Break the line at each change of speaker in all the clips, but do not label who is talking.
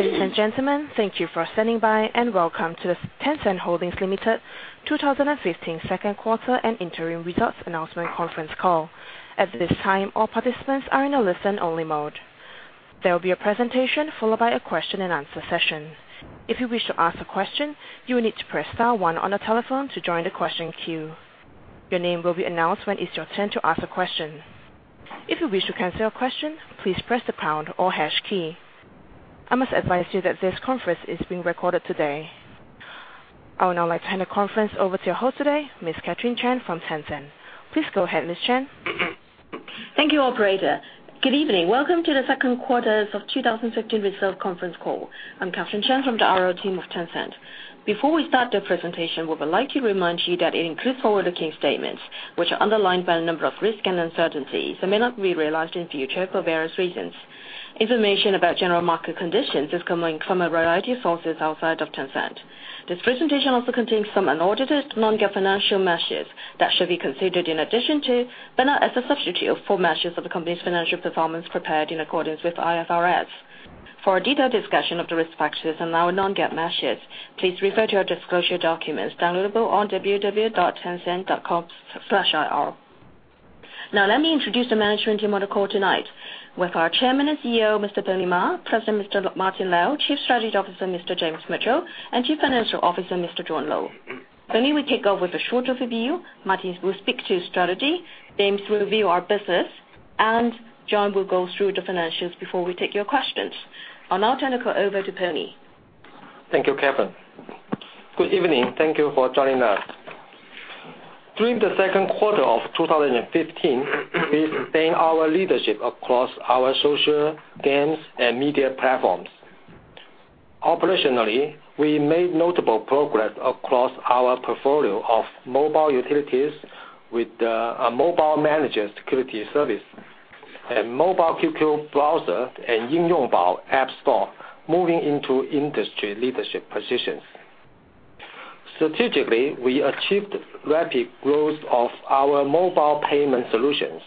Ladies and gentlemen, thank you for standing by, and welcome to the Tencent Holdings Limited 2015 second quarter and interim results announcement conference call. At this time, all participants are in a listen-only mode. There will be a presentation, followed by a question-and-answer session. If you wish to ask a question, you will need to press star one on the telephone to join the question queue. Your name will be announced when it's your turn to ask a question. If you wish to cancel your question, please press the pound or hash key. I must advise you that this conference is being recorded today. I would now like to hand the conference over to your host today, Ms. Catherine Chan from Tencent. Please go ahead, Ms. Chan.
Thank you, operator. Good evening. Welcome to the second quarter of 2015 results conference call. I'm Catherine Chan from the IR team of Tencent. Before we start the presentation, we would like to remind you that it includes forward-looking statements, which are underlined by a number of risks and uncertainties and may not be realized in future for various reasons. Information about general market conditions is coming from a variety of sources outside of Tencent. This presentation also contains some unaudited non-GAAP financial measures that should be considered in addition to, but not as a substitute for, measures of the company's financial performance prepared in accordance with IFRS. For a detailed discussion of the risk factors and our non-GAAP measures, please refer to our disclosure documents downloadable on www.tencent.com/ir. Now, let me introduce the management team on the call tonight. With our Chairman and CEO, Mr. Pony Ma, President, Mr. Martin Lau, Chief Strategy Officer, Mr. James Mitchell, and Chief Financial Officer, Mr. John Lo. Pony will kick off with a short overview. Martin will speak to strategy. James will review our business. John will go through the financials before we take your questions. I'll now turn the call over to Pony.
Thank you, Catherine. Good evening. Thank you for joining us. During the second quarter of 2015, we sustained our leadership across our social, games, and media platforms. Operationally, we made notable progress across our portfolio of mobile utilities with a Mobile Manager security service and Mobile QQ Browser and Yingyongbao App Store moving into industry leadership positions. Strategically, we achieved rapid growth of our mobile payment solutions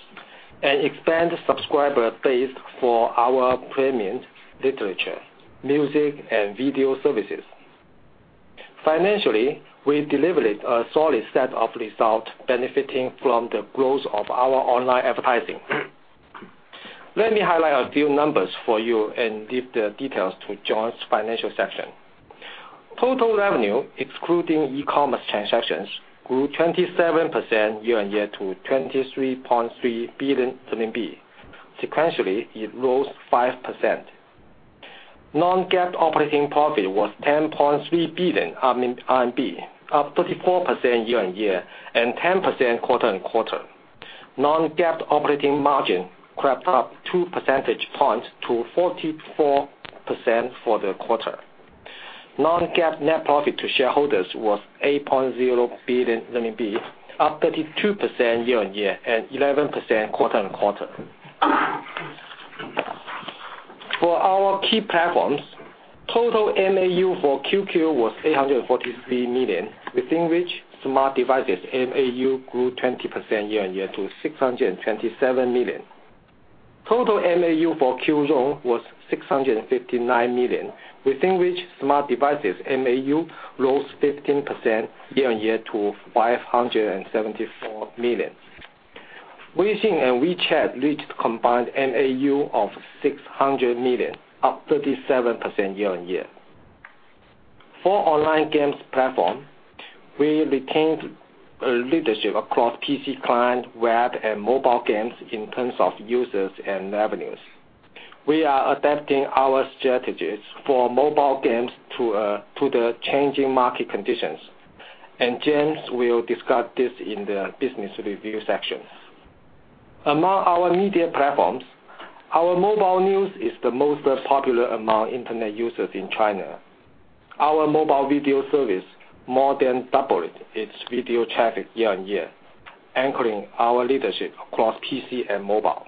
and expand subscriber base for our premium literature, music, and video services. Financially, we delivered a solid set of results benefiting from the growth of our online advertising. Let me highlight a few numbers for you and leave the details to John's financial section. Total revenue, excluding e-commerce transactions, grew 27% year-on-year to 23.3 billion RMB. Sequentially, it rose 5%. Non-GAAP operating profit was 10.3 billion RMB, up 34% year-on-year and 10% quarter-on-quarter. Non-GAAP operating margin crept up two percentage points to 44% for the quarter. Non-GAAP net profit to shareholders was 8.0 billion RMB, up 32% year-on-year and 11% quarter-on-quarter. For our key platforms, total MAU for QQ was 843 million, within which smart devices MAU grew 20% year-on-year to 627 million. Total MAU for Qzone was 659 million, within which smart devices MAU rose 15% year-on-year to 574 million. Weixin and WeChat reached a combined MAU of 600 million, up 37% year-on-year. For online games platform, we retained leadership across PC, client, web, and mobile games in terms of users and revenues. James will discuss this in the business review section. Among our media platforms, our mobile news is the most popular among Internet users in China. Our mobile video service more than doubled its video traffic year-on-year, anchoring our leadership across PC and mobile.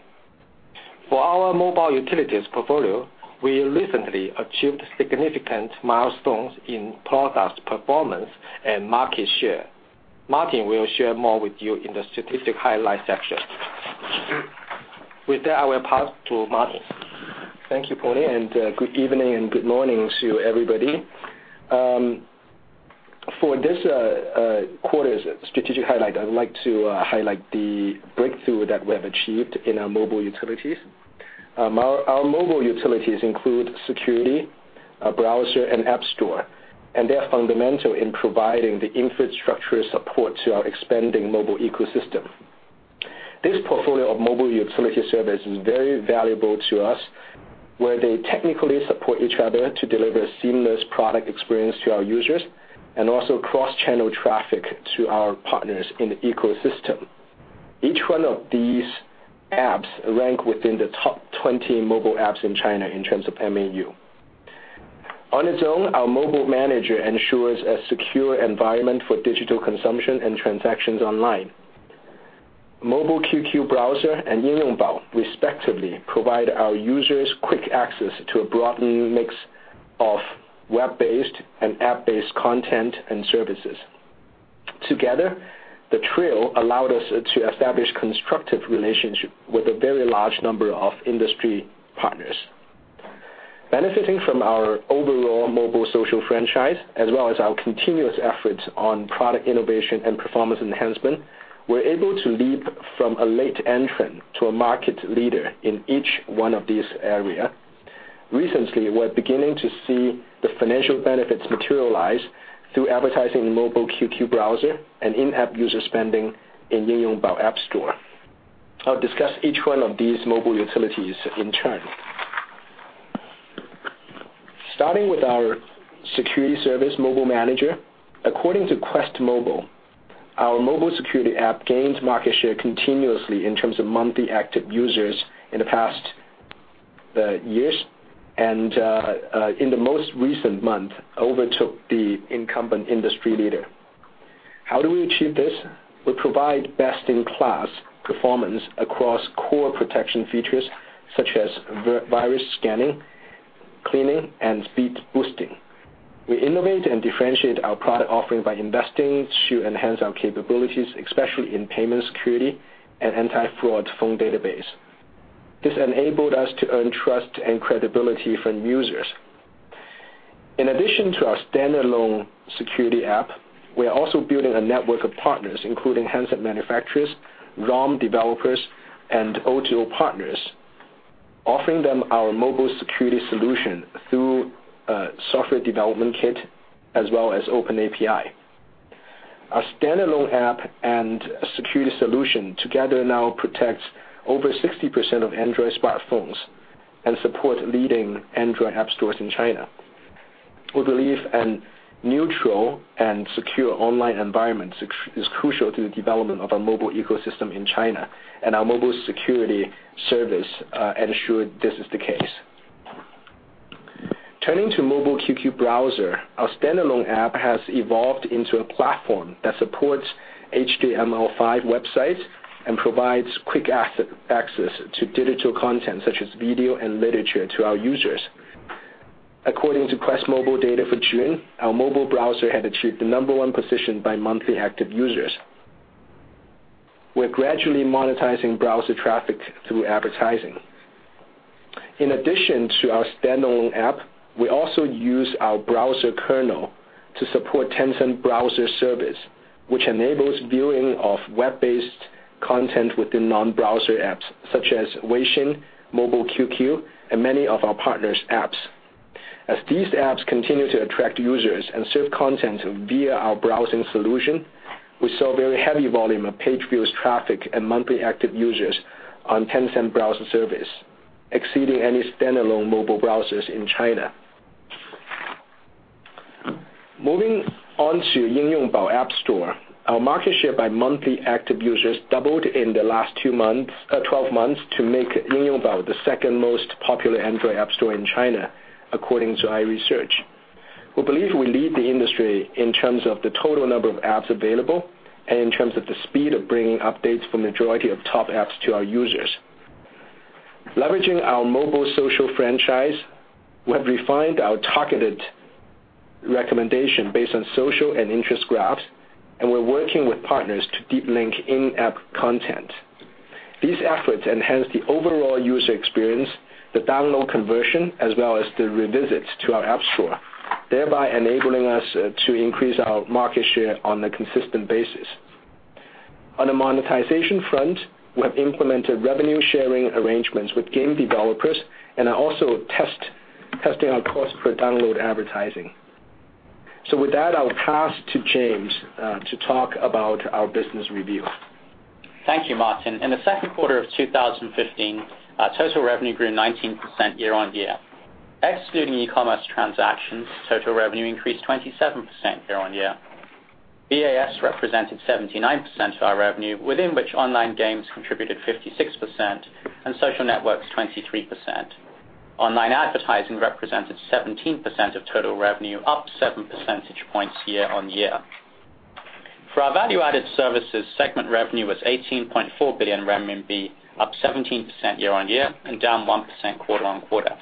For our mobile utilities portfolio, we recently achieved significant milestones in product performance and market share. Martin will share more with you in the strategic highlight section. With that, I will pass to Martin.
Thank you, Pony, and good evening and good morning to everybody. For this quarter's strategic highlight, I would like to highlight the breakthrough that we have achieved in our mobile utilities. Our mobile utilities include security, browser, and app store, and they are fundamental in providing the infrastructure support to our expanding mobile ecosystem. This portfolio of mobile utility service is very valuable to us, where they technically support each other to deliver a seamless product experience to our users, and also cross-channel traffic to our partners in the ecosystem. Each one of these apps rank within the top 20 mobile apps in China in terms of MAU. On its own, our Mobile Manager ensures a secure environment for digital consumption and transactions online. Mobile QQ Browser and Yingyongbao respectively provide our users quick access to a broadened mix of web-based and app-based content and services. Together, the trio allowed us to establish constructive relationship with a very large number of industry partners. Benefiting from our overall mobile social franchise, as well as our continuous efforts on product innovation and performance enhancement, we're able to leap from a late entrant to a market leader in each one of these area. Recently, we're beginning to see the financial benefits materialize through advertising in Mobile QQ Browser and in-app user spending in Yingyongbao app store. I'll discuss each one of these mobile utilities in turn. Starting with our security service, Mobile Manager, according to QuestMobile, our mobile security app gains market share continuously in terms of monthly active users in the past years, and in the most recent month, overtook the incumbent industry leader. How do we achieve this? We provide best-in-class performance across core protection features such as virus scanning, cleaning, and speed boosting. We innovate and differentiate our product offering by investing to enhance our capabilities, especially in payment security and anti-fraud phone database. This enabled us to earn trust and credibility from users. In addition to our standalone security app, we are also building a network of partners, including handset manufacturers, ROM developers, and O2O partners, offering them our mobile security solution through a software development kit as well as open API. Our standalone app and security solution together now protects over 60% of Android smartphones and support leading Android app stores in China. We believe a neutral and secure online environment is crucial to the development of our mobile ecosystem in China, and our mobile security service ensure this is the case. Turning to Mobile QQ Browser, our standalone app has evolved into a platform that supports HTML5 websites and provides quick access to digital content such as video and literature to our users. According to QuestMobile data for June, our mobile browser had achieved the number 1 position by monthly active users. We're gradually monetizing browser traffic through advertising. In addition to our standalone app, we also use our browser kernel to support Tencent Browser service, which enables viewing of web-based content within non-browser apps such as Weixin, Mobile QQ, and many of our partners' apps. As these apps continue to attract users and serve content via our browsing solution, we saw very heavy volume of page views traffic and monthly active users on Tencent Browser service, exceeding any standalone mobile browsers in China. Moving on to Yingyongbao app store, our market share by monthly active users doubled in the last 12 months to make Yingyongbao the second most popular Android app store in China, according to iResearch. We believe we lead the industry in terms of the total number of apps available and in terms of the speed of bringing updates for majority of top apps to our users. Leveraging our mobile social franchise, we have refined our targeted recommendation based on social and interest graphs, and we're working with partners to deep link in-app content. These efforts enhance the overall user experience, the download conversion, as well as the revisits to our app store, thereby enabling us to increase our market share on a consistent basis. On a monetization front, we have implemented revenue sharing arrangements with game developers and are also testing our cost per download advertising. With that, I'll pass to James to talk about our business review.
Thank you, Martin. In the second quarter of 2015, our total revenue grew 19% year-on-year. Excluding e-commerce transactions, total revenue increased 27% year-on-year. VAS represented 79% of our revenue, within which online games contributed 56% and social networks, 23%. Online advertising represented 17% of total revenue, up seven percentage points year-on-year. For our value-added services segment, revenue was 18.4 billion renminbi, up 17% year-on-year and down 1% quarter-on-quarter.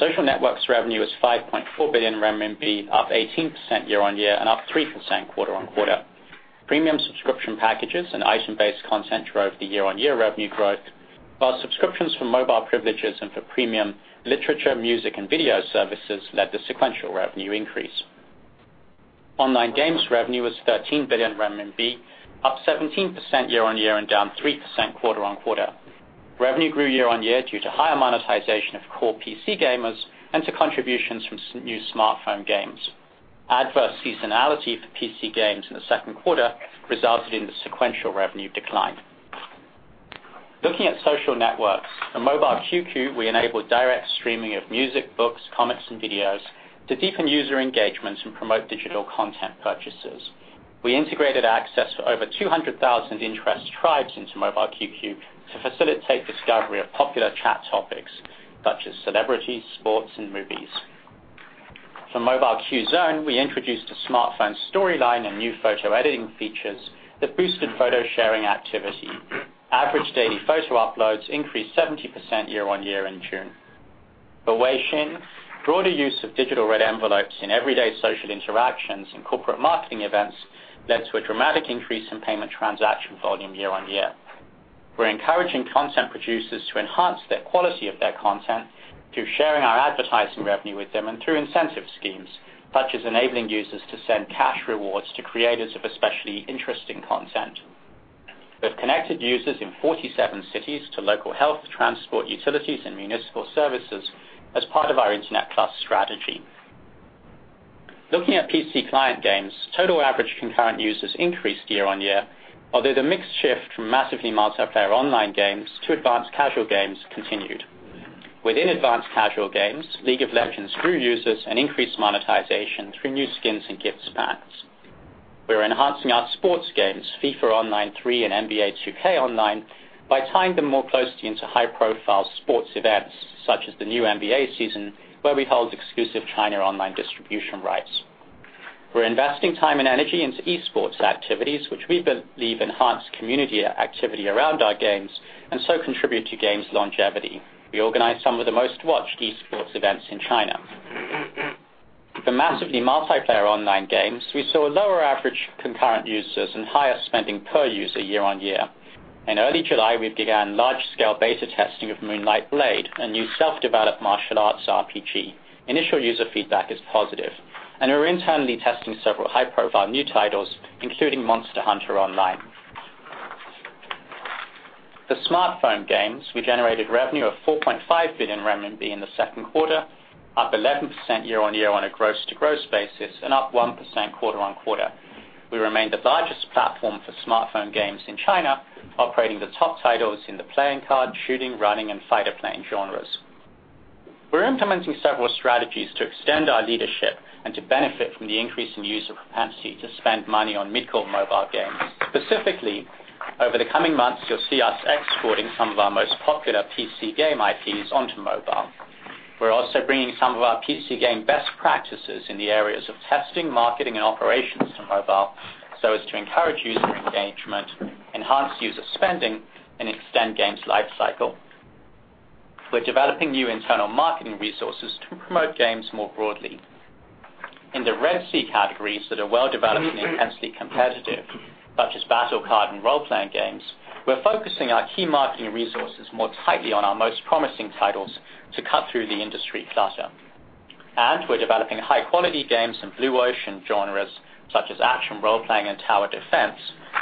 Social networks revenue was 5.4 billion RMB, up 18% year-on-year and up 3% quarter-on-quarter. Premium subscription packages and item-based content drove the year-on-year revenue growth, while subscriptions for mobile privileges and for premium literature, music, and video services led to sequential revenue increase. Online games revenue was 13 billion RMB, up 17% year-on-year and down 3% quarter-on-quarter. Revenue grew year-on-year due to higher monetization of core PC gamers and to contributions from new smartphone games. Adverse seasonality for PC games in the second quarter resulted in the sequential revenue decline. Looking at social networks, on Mobile QQ, we enabled direct streaming of music, books, comics, and videos to deepen user engagements and promote digital content purchases. We integrated access for over 200,000 interest tribes into Mobile QQ to facilitate discovery of popular chat topics such as celebrities, sports, and movies. For Mobile Qzone, we introduced a smartphone storyline and new photo editing features that boosted photo sharing activity. Average daily photo uploads increased 70% year-on-year in June. For Weixin, broader use of digital red envelopes in everyday social interactions and corporate marketing events led to a dramatic increase in payment transaction volume year-on-year. We're encouraging content producers to enhance the quality of their content through sharing our advertising revenue with them and through incentive schemes, such as enabling users to send cash rewards to creators of especially interesting content. We've connected users in 47 cities to local health, transport, utilities, and municipal services as part of our Internet Plus strategy. Looking at PC client games, total average concurrent users increased year-on-year, although the mix shift from massively multiplayer online games to advanced casual games continued. Within advanced casual games, League of Legends grew users and increased monetization through new skins and gifts packs. We are enhancing our sports games, FIFA Online 3 and NBA 2K Online, by tying them more closely into high-profile sports events such as the new NBA season, where we hold exclusive China online distribution rights. We're investing time and energy into e-sports activities, which we believe enhance community activity around our games and so contribute to games longevity. We organize some of the most watched e-sports events in China. For massively multiplayer online games, we saw lower average concurrent users and higher spending per user year-on-year. In early July, we began large-scale beta testing of Moonlight Blade, a new self-developed martial arts RPG. Initial user feedback is positive, and we're internally testing several high-profile new titles, including Monster Hunter Online. For smartphone games, we generated revenue of 4.5 billion renminbi in the second quarter, up 11% year-on-year on a gross to gross basis and up 1% quarter-on-quarter. We remain the largest platform for smartphone games in China, operating the top titles in the playing card, shooting, running, and fighter plane genres. We're implementing several strategies to extend our leadership and to benefit from the increase in user propensity to spend money on mid-core mobile games. Specifically, over the coming months, you'll see us exporting some of our most popular PC game IPs onto mobile. We're also bringing some of our PC game best practices in the areas of testing, marketing, and operations to mobile so as to encourage user engagement, enhance user spending, and extend game's life cycle. We're developing new internal marketing resources to promote games more broadly. In the Red Ocean categories that are well developed and intensely competitive, such as battle card and role-playing games, we're focusing our key marketing resources more tightly on our most promising titles to cut through the industry clutter. We're developing high-quality games in Blue Ocean genres such as action, role-playing, and tower defense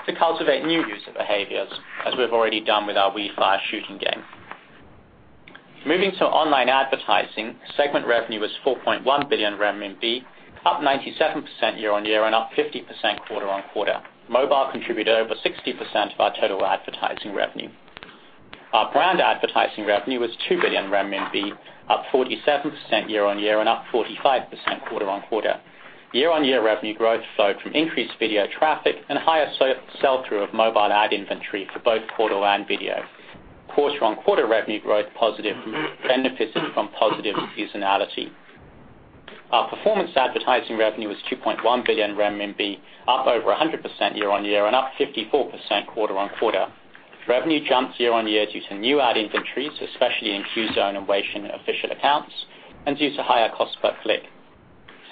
to cultivate new user behaviors, as we've already done with our WeFire shooting game. Moving to online advertising, segment revenue was 4.1 billion RMB, up 97% year-on-year and up 50% quarter-on-quarter. Mobile contributed over 60% of our total advertising revenue. Our brand advertising revenue was 2 billion renminbi, up 47% year-on-year and up 45% quarter-on-quarter. Year-on-year revenue growth flowed from increased video traffic and higher sell-through of mobile ad inventory for both portal and video. Quarter-on-quarter revenue growth positive benefited from positive seasonality. Our performance advertising revenue was 2.1 billion RMB, up over 100% year-on-year and up 54% quarter-on-quarter. Revenue jumps year-on-year due to new ad inventories, especially in Qzone and Weixin Official Accounts, and due to higher cost per click.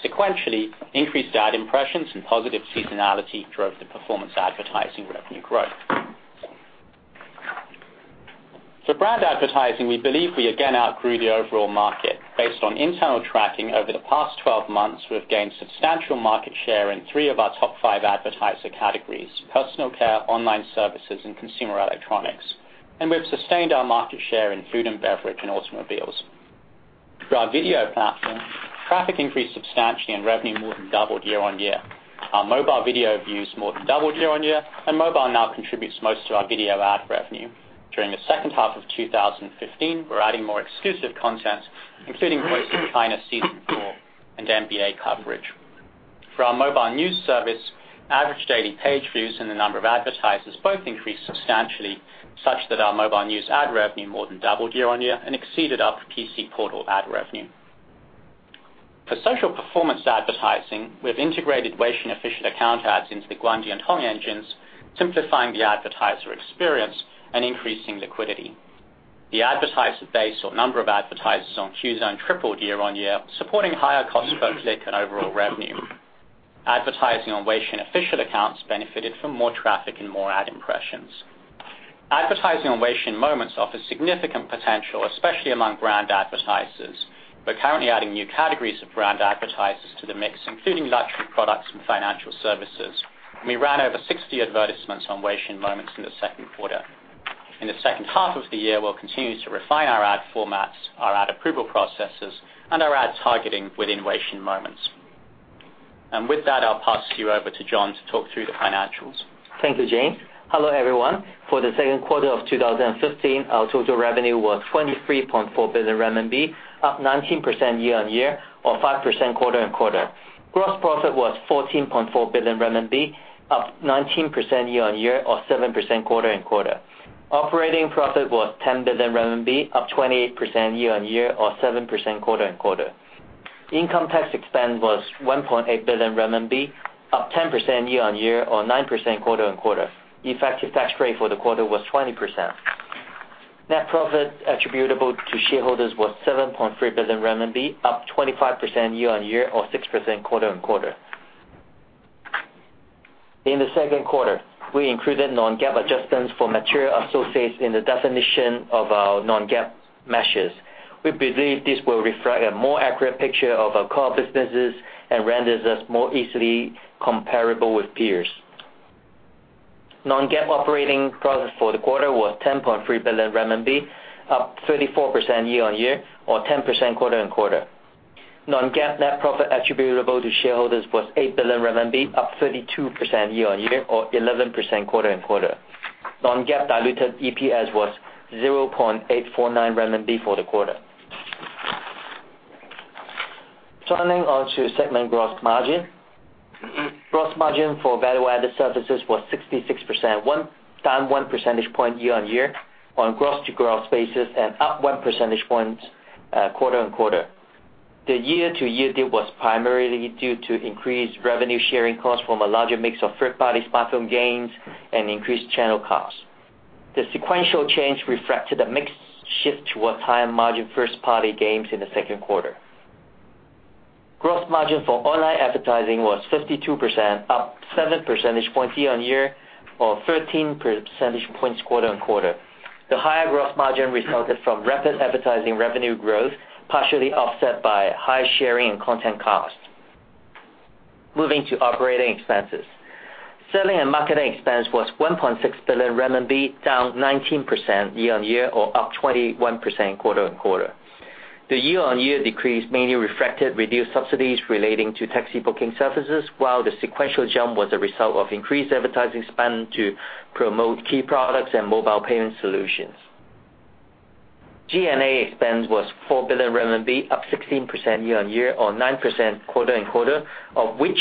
Sequentially, increased ad impressions and positive seasonality drove the performance advertising revenue growth. For brand advertising, we believe we again outgrew the overall market. Based on internal tracking over the past 12 months, we've gained substantial market share in 3 of our top 5 advertiser categories: personal care, online services, and consumer electronics. We've sustained our market share in food and beverage and automobiles. Through our video platform, traffic increased substantially and revenue more than doubled year-on-year. Our mobile video views more than doubled year-on-year, and mobile now contributes most of our video ad revenue. During the second half of 2015, we're adding more exclusive content, including The Voice of China season 4 and NBA coverage. For our mobile news service, average daily page views and the number of advertisers both increased substantially, such that our mobile news ad revenue more than doubled year-on-year and exceeded our PC portal ad revenue. For social performance advertising, we have integrated Weixin Official Account ads into the Guangdian Tong engines, simplifying the advertiser experience and increasing liquidity. The advertiser base or number of advertisers on Qzone tripled year-on-year, supporting higher cost per click and overall revenue. Advertising on Weixin Official Accounts benefited from more traffic and more ad impressions. Advertising on Weixin Moments offers significant potential, especially among brand advertisers. We're currently adding new categories of brand advertisers to the mix, including luxury products and financial services. We ran over 60 advertisements on Weixin Moments in the second quarter. In the second half of the year, we'll continue to refine our ad formats, our ad approval processes, and our ad targeting within Weixin Moments. With that, I'll pass you over to John to talk through the financials.
Thank you, James. Hello, everyone. For the second quarter of 2015, our total revenue was 23.4 billion RMB, up 19% year-on-year or 5% quarter-on-quarter. Gross profit was 14.4 billion RMB, up 19% year-on-year or 7% quarter-on-quarter. Operating profit was 10 billion RMB, up 28% year-on-year or 7% quarter-on-quarter. Income tax expense was 1.8 billion RMB, up 10% year-on-year or 9% quarter-on-quarter. Effective tax rate for the quarter was 20%. Net profit attributable to shareholders was 7.3 billion RMB, up 25% year-on-year or 6% quarter-on-quarter. In the second quarter, we included non-GAAP adjustments for material associates in the definition of our non-GAAP measures. We believe this will reflect a more accurate picture of our core businesses and renders us more easily comparable with peers. Non-GAAP operating profit for the quarter was 10.3 billion RMB, up 34% year-on-year or 10% quarter-on-quarter. Non-GAAP net profit attributable to shareholders was 8 billion RMB, up 32% year-on-year or 11% quarter-on-quarter. Non-GAAP diluted EPS was 0.849 renminbi for the quarter. Turning on to segment gross margin. Gross margin for value-added services was 66%, down one percentage point year-on-year on a gross-to-gross basis and up one percentage point quarter-on-quarter. The year-to-year dip was primarily due to increased revenue sharing costs from a larger mix of third-party smartphone games and increased channel costs. The sequential change reflected a mix shift towards higher margin first-party games in the second quarter. Gross margin for online advertising was 52%, up 7 percentage points year-on-year or 13 percentage points quarter-on-quarter. The higher gross margin resulted from rapid advertising revenue growth, partially offset by high sharing and content costs. Moving to operating expenses. Selling and marketing expense was 1.6 billion renminbi, down 19% year-on-year or up 21% quarter-on-quarter. The year-on-year decrease mainly reflected reduced subsidies relating to taxi booking services, while the sequential jump was a result of increased advertising spend to promote key products and mobile payment solutions. G&A expense was 4 billion RMB, up 16% year-on-year or 9% quarter-on-quarter, of which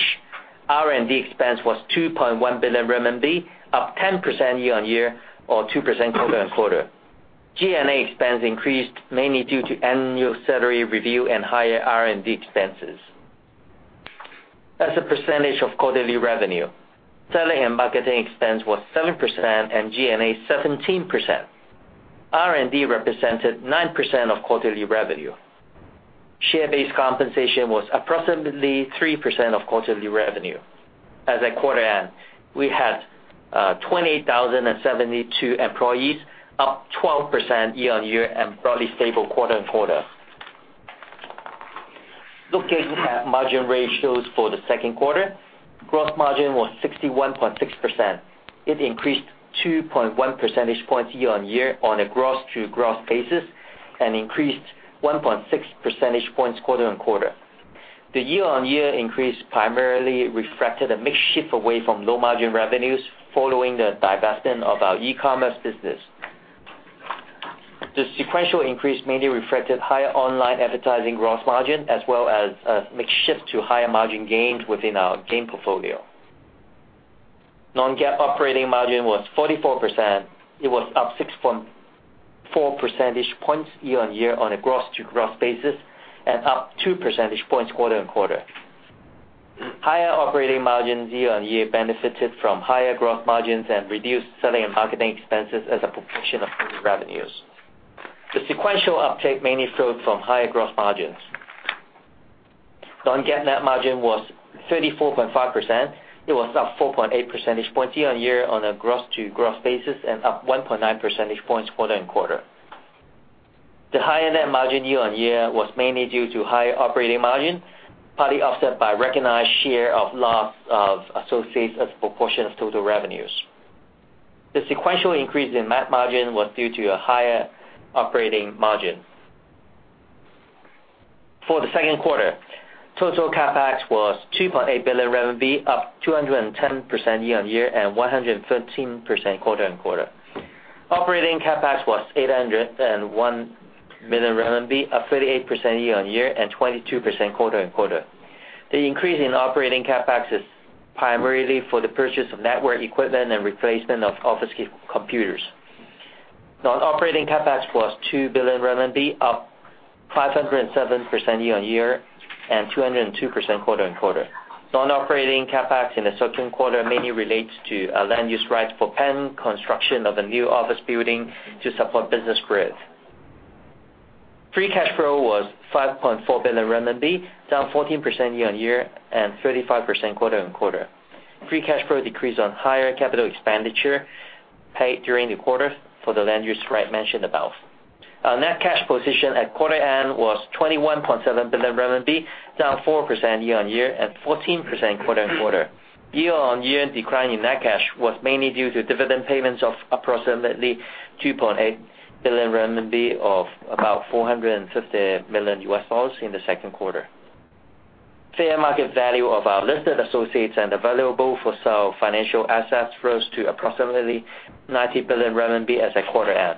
R&D expense was 2.1 billion RMB, up 10% year-on-year or 2% quarter-on-quarter. G&A expense increased mainly due to annual salary review and higher R&D expenses. As a percentage of quarterly revenue, selling and marketing expense was 7% and G&A 17%. R&D represented 9% of quarterly revenue. Share-based compensation was approximately 3% of quarterly revenue. As at quarter end, we had 28,072 employees, up 12% year-on-year and broadly stable quarter-on-quarter. Looking at margin ratios for the second quarter, gross margin was 61.6%. It increased 2.1 percentage points year-on-year on a gross-to-gross basis, and increased 1.6 percentage points quarter-on-quarter. The year-on-year increase primarily reflected a mix shift away from low-margin revenues following the divestment of our e-commerce business. The sequential increase mainly reflected higher online advertising gross margin as well as a mix shift to higher margin games within our game portfolio. non-GAAP operating margin was 44%. It was up 6.4 percentage points year-on-year on a gross-to-gross basis, and up 2 percentage points quarter-on-quarter. Higher operating margins year-on-year benefited from higher gross margins and reduced selling and marketing expenses as a proportion of total revenues. The sequential uptake mainly flowed from higher gross margins. non-GAAP net margin was 34.5%. It was up 4.8 percentage points year-on-year on a gross-to-gross basis and up 1.9 percentage points quarter-on-quarter. The higher net margin year-on-year was mainly due to higher operating margin, partly offset by recognized share of loss of associates as a proportion of total revenues. The sequential increase in net margin was due to a higher operating margin. For the second quarter, total CapEx was 2.8 billion RMB, up 210% year-on-year and 113% quarter-on-quarter. Operating CapEx was 801 million RMB, up 38% year-on-year and 22% quarter-on-quarter. The increase in operating CapEx is primarily for the purchase of network equipment and replacement of office computers. Non-operating CapEx was RMB 2 billion, up 507% year-on-year and 202% quarter-on-quarter. Non-operating CapEx in the second quarter mainly relates to land use rights for planned construction of a new office building to support business growth. Free cash flow was 5.4 billion renminbi, down 14% year-on-year and 35% quarter-on-quarter. Free cash flow decreased on higher capital expenditure paid during the quarter for the land use right mentioned above. Our net cash position at quarter end was 21.7 billion RMB, down 4% year-on-year and 14% quarter-on-quarter. Year-on-year decline in net cash was mainly due to dividend payments of approximately 2.8 billion RMB of about $450 million in the second quarter. Fair market value of our listed associates and available-for-sale financial assets rose to approximately 90 billion RMB as at quarter end.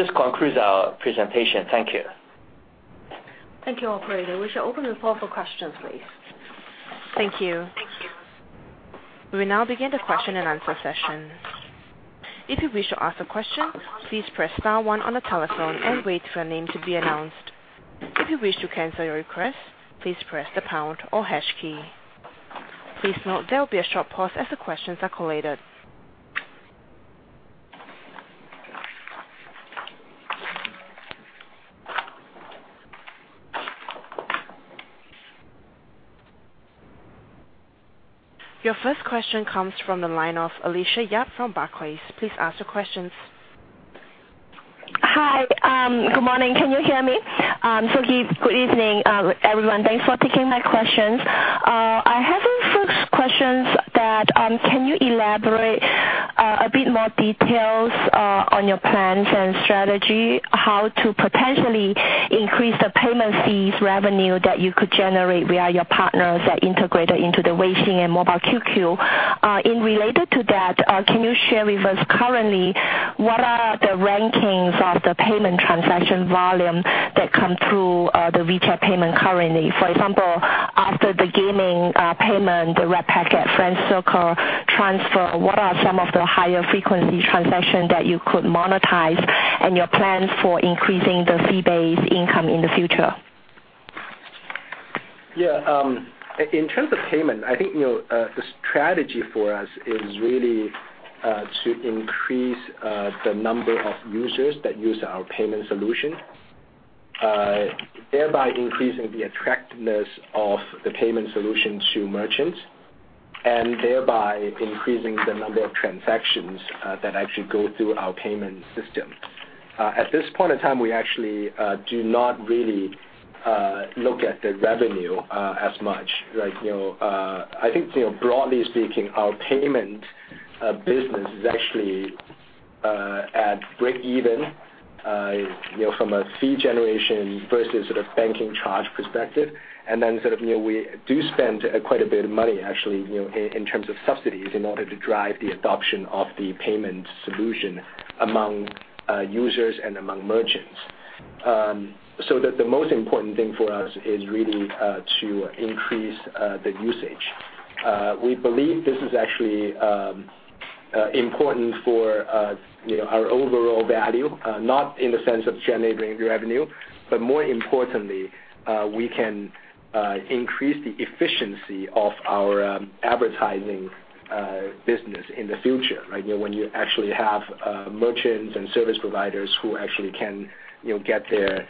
This concludes our presentation. Thank you.
Thank you, operator. We shall open the floor for questions, please.
Thank you.
Thank you.
We will now begin the question and answer session. If you wish to ask a question, please press star one on the telephone and wait for your name to be announced. If you wish to cancel your request, please press the pound or hash key. Please note there will be a short pause as the questions are collated. Your first question comes from the line of Alicia Yap from Barclays. Please ask your questions.
Hi. Good morning. Can you hear me? Good evening, everyone. Thanks for taking my questions. I have some first questions that, can you elaborate a bit more details on your plans and strategy, how to potentially increase the payment fees revenue that you could generate via your partners that integrated into the Weixin and Mobile QQ. Related to that, can you share with us currently what are the rankings of the payment transaction volume that come through the WeChat Pay payment currently? For example, after the gaming payment, the red packet, friend circle transfer, what are some of the higher frequency transaction that you could monetize and your plan for increasing the fee-based income in the future?
Yeah. In terms of payment, I think the strategy for us is really to increase the number of users that use our payment solution, thereby increasing the attractiveness of the payment solution to merchants, and thereby increasing the number of transactions that actually go through our payment system. At this point in time, we actually do not really look at the revenue as much. I think broadly speaking, our payment business is actually at breakeven from a fee generation versus sort of banking charge perspective. We do spend quite a bit of money, actually, in terms of subsidies in order to drive the adoption of the payment solution among users and among merchants. The most important thing for us is really to increase the usage. We believe this is actually important for our overall value, not in the sense of generating revenue, but more importantly, we can increase the efficiency of our advertising business in the future. When you actually have merchants and service providers who actually can get their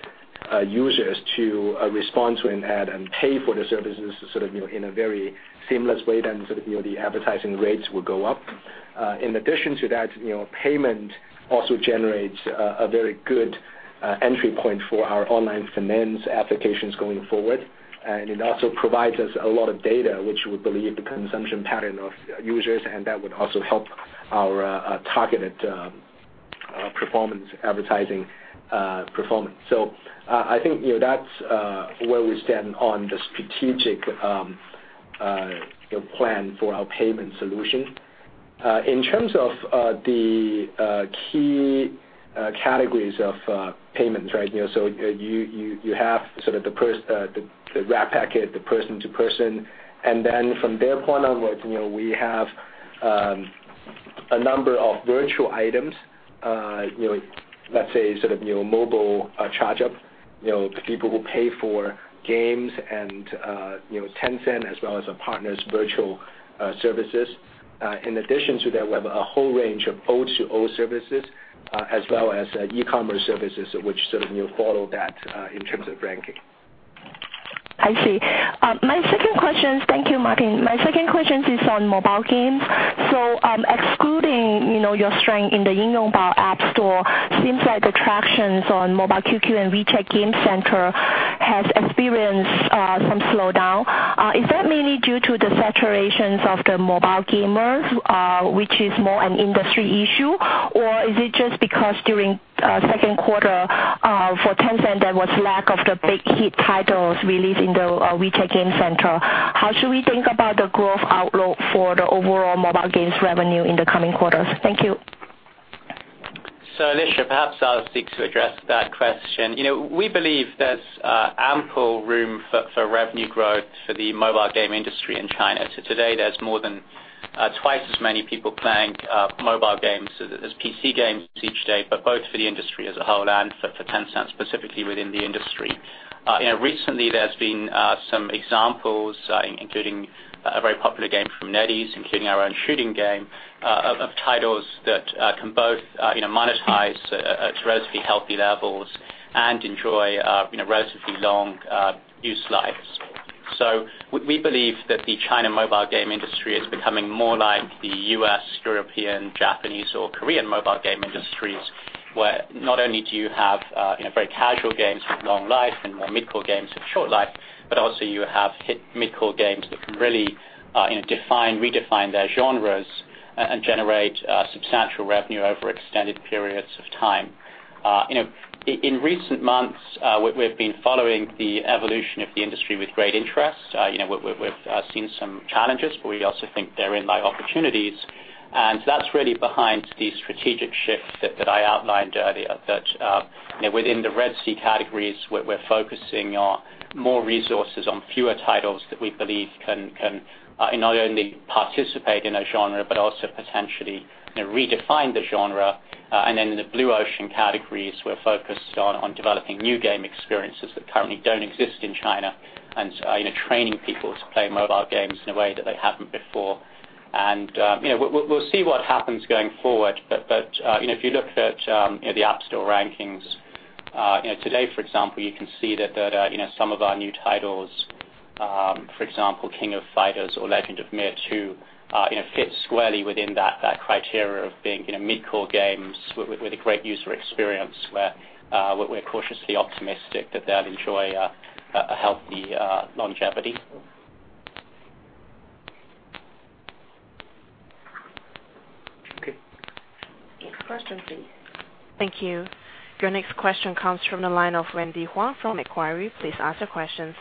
users to respond to an ad and pay for the services sort of in a very seamless way, then sort of the advertising rates will go up. In addition to that, payment also generates a very good entry point for our online finance applications going forward, and it also provides us a lot of data which we believe the consumption pattern of users, and that would also help our targeted advertising performance. I think that's where we stand on the strategic plan for our payment solution. In terms of the key categories of payments. You have sort of the red packet, the person to person, and then from there point onwards, we have a number of virtual items, let's say sort of mobile charge up, the people who pay for games and Tencent as well as our partners' virtual services. In addition to that, we have a whole range of O2O services, as well as e-commerce services which sort of follow that in terms of ranking.
I see. Thank you, Martin. My second question is on mobile games. Excluding your strength in the Yingyongbao app store, seems like the tractions on Mobile QQ and WeChat Game Center has experienced some slowdown. Is that mainly due to the saturations of the mobile gamers, which is more an industry issue, or is it just because during second quarter for Tencent, there was lack of the big hit titles released in the WeChat Game Center? How should we think about the growth outlook for the overall mobile games revenue in the coming quarters? Thank you.
Alicia, perhaps I'll seek to address that question. We believe there's ample room for revenue growth for the mobile game industry in China. Today there's more than twice as many people playing mobile games as PC games each day, but both for the industry as a whole and for Tencent specifically within the industry. Recently there's been some examples, including a very popular game from NetEase, including our own shooting game, of titles that can both monetize to relatively healthy levels and enjoy relatively long use lives. We believe that the China mobile game industry is becoming more like the U.S., European, Japanese or Korean mobile game industries, where not only do you have very casual games with long life and more mid-core games with short life, but also you have hit mid-core games that can really redefine their genres and generate substantial revenue over extended periods of time. In recent months, we've been following the evolution of the industry with great interest. We've seen some challenges, but we also think therein lie opportunities. That's really behind the strategic shift that I outlined earlier, that within the Red Ocean categories, we're focusing on more resources on fewer titles that we believe can not only participate in a genre, but also potentially redefine the genre. In the Blue Ocean categories, we're focused on developing new game experiences that currently don't exist in China, and so even training people to play mobile games in a way that they haven't before. We'll see what happens going forward. If you look at the App Store rankings today, for example, you can see that some of our new titles, for example, King of Fighters or Legend of Mir 2, fit squarely within that criteria of being mid-core games with a great user experience, where we're cautiously optimistic that they'll enjoy a healthy longevity.
Okay.
Next question please.
Thank you. Your next question comes from the line of Wendy Huang from Macquarie. Please ask your questions.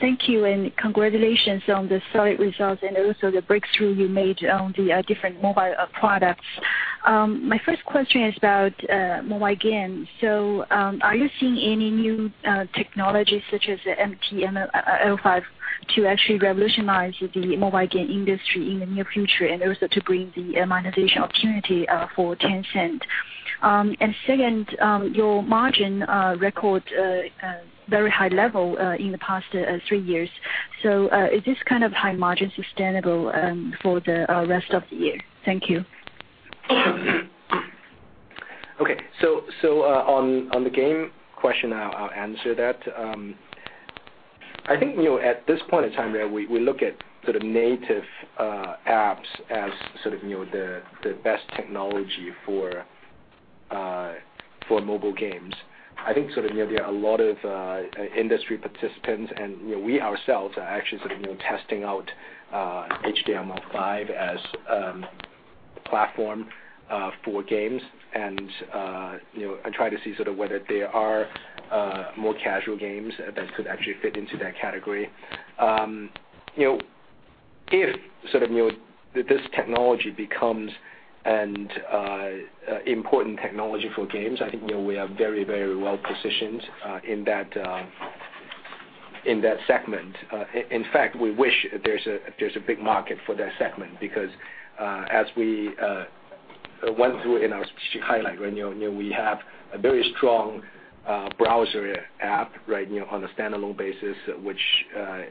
Thank you. Congratulations on the solid results and also the breakthrough you made on the different mobile products. My first question is about mobile games. Are you seeing any new technologies such as HTML5 to actually revolutionize the mobile game industry in the near future, and also to bring the monetization opportunity for Tencent? Second, your margin record very high level in the past three years. Is this kind of high margin sustainable for the rest of the year? Thank you.
Okay. On the game question, I'll answer that. I think at this point in time, we look at sort of native apps as sort of the best technology for mobile games. I think there are a lot of industry participants, and we ourselves are actually sort of testing out HTML5 as a platform for games and try to see sort of whether there are more casual games that could actually fit into that category. If this technology becomes an important technology for games, I think we are very, very well-positioned in that segment. In fact, we wish there's a big market for that segment because as we went through in our strategic highlight, we have a very strong browser app right now on a standalone basis, which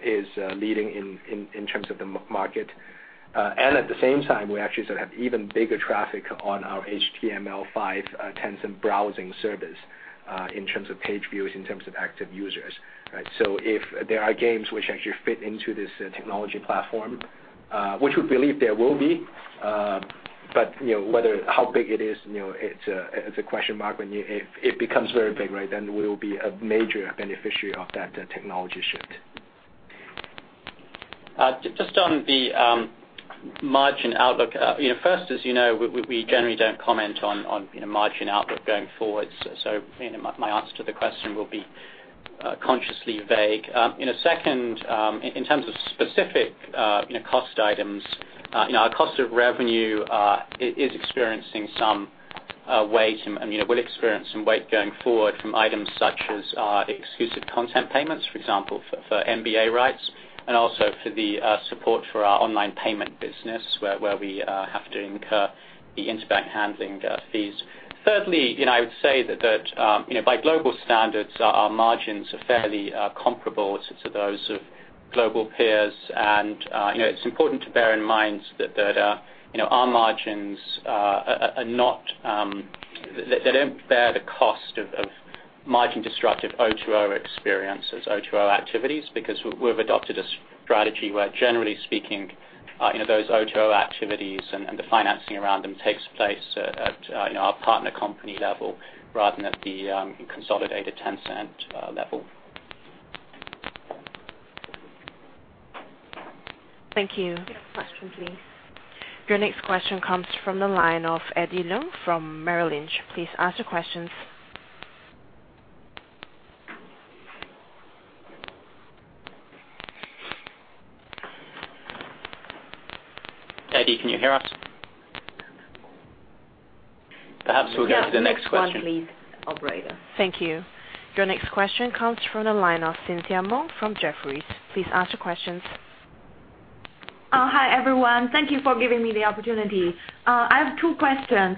is leading in terms of the market. At the same time, we actually have even bigger traffic on our HTML5 Tencent browsing service, in terms of page views, in terms of active users. If there are games which actually fit into this technology platform, which we believe there will be, but whether how big it is, it's a question mark. When it becomes very big, then we will be a major beneficiary of that technology shift.
Just on the margin outlook. First, as you know, we generally don't comment on margin outlook going forward. My answer to the question will be consciously vague. Second, in terms of specific cost items, our cost of revenue is experiencing some weight, and will experience some weight going forward from items such as exclusive content payments, for example, for NBA rights, and also for the support for our online payment business, where we have to incur the interbank handling fees. Thirdly, I would say that by global standards, our margins are fairly comparable to those of global peers. It's important to bear in mind that our margins don't bear the cost of margin-destructive O2O experiences, O2O activities, because we've adopted a strategy where, generally speaking those O2O activities and the financing around them takes place at our partner company level rather than at the consolidated Tencent level.
Thank you.
Next question please.
Your next question comes from the line of Eddie Leung from Merrill Lynch. Please ask your questions.
Eddie, can you hear us? Perhaps we'll go to the next question.
Next one please, operator.
Thank you. Your next question comes from the line of Cynthia Meng from Jefferies. Please ask your questions.
Hi, everyone. Thank you for giving me the opportunity. I have two questions.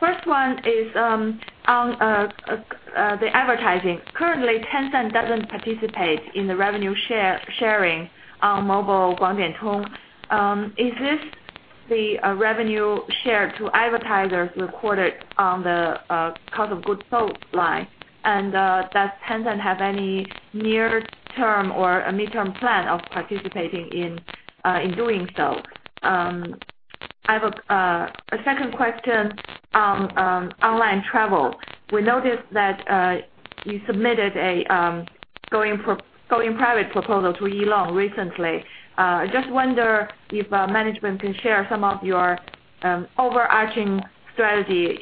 First one is on the advertising. Currently, Tencent doesn't participate in the revenue sharing on mobile Guangdian Tong. Is this the revenue share to advertisers reported on the cost of goods sold line? Does Tencent have any near term or a midterm plan of participating in doing so? I have a second question on online travel. We noticed that you submitted a going private proposal to Elong recently. I just wonder if management can share some of your overarching strategy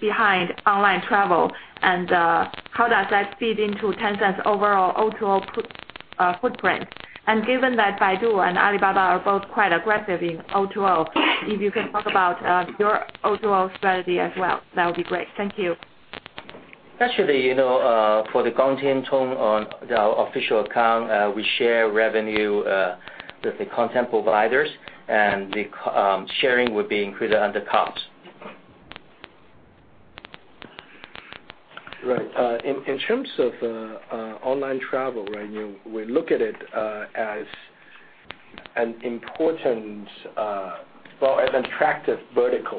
behind online travel, and how does that feed into Tencent's overall O2O footprint? Given that Baidu and Alibaba are both quite aggressive in O2O, if you can talk about your O2O strategy as well, that would be great. Thank you.
Actually, for the on our official account, we share revenue with the content providers, and the sharing would be included under COGS.
Right. In terms of online travel, we look at it as an important, well, as attractive vertical.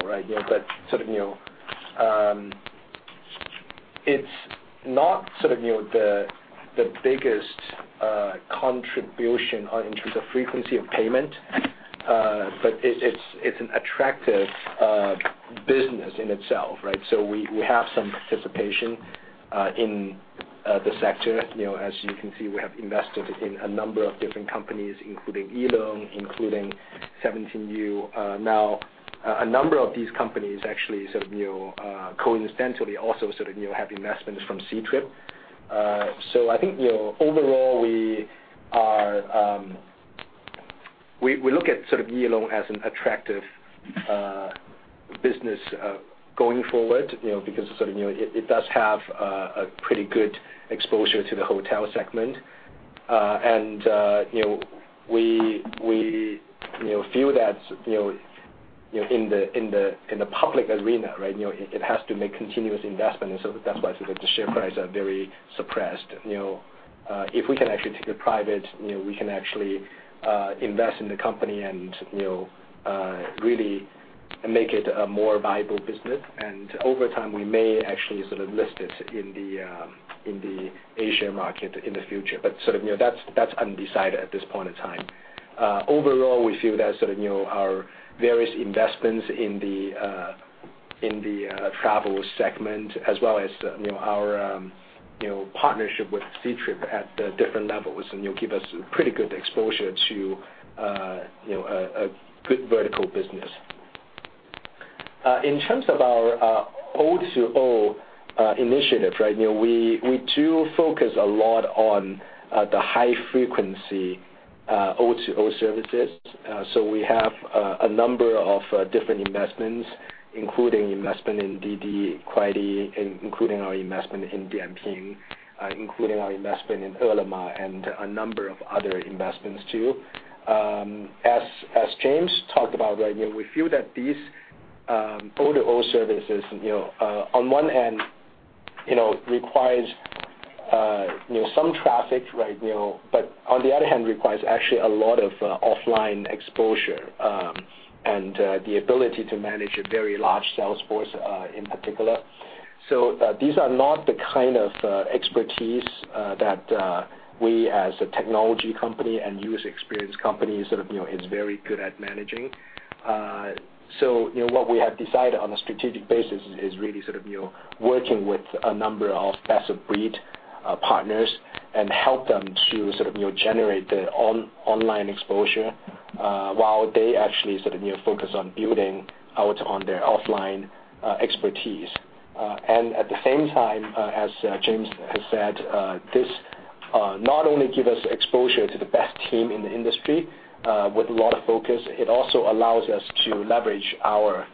It's not the biggest contribution in terms of frequency of payment. It's an attractive business in itself. We have some participation in the sector. As you can see, we have invested in a number of different companies, including Elong, including 17U. A number of these companies actually coincidentally also have investments from Ctrip. I think overall, we look at Elong as an attractive business going forward, because it does have a pretty good exposure to the hotel segment. We feel that in the public arena, it has to make continuous investment, that's why the share price are very suppressed. If we can actually take it private, we can actually invest in the company and really make it a more viable business. Over time, we may actually list it in the Asia market in the future. That's undecided at this point in time. Overall, we feel that our various investments in the travel segment as well as our partnership with Ctrip at different levels give us pretty good exposure to a good vertical business. In terms of our O2O initiative, we do focus a lot on the high-frequency O2O services. We have a number of different investments, including investment in DiDi, Kuaidi, including our investment in Dianping, including our investment in Ele.me, and a number of other investments too. As James talked about, we feel that these O2O services, on one hand, requires some traffic. On the other hand, requires actually a lot of offline exposure, and the ability to manage a very large sales force in particular. These are not the kind of expertise that we, as a technology company and user experience company, is very good at managing. What we have decided on a strategic basis is really working with a number of best-of-breed partners and help them to generate the online exposure while they actually focus on building out on their offline expertise. At the same time, as James has said, this not only give us exposure to the best team in the industry with a lot of focus, it also allows us to leverage our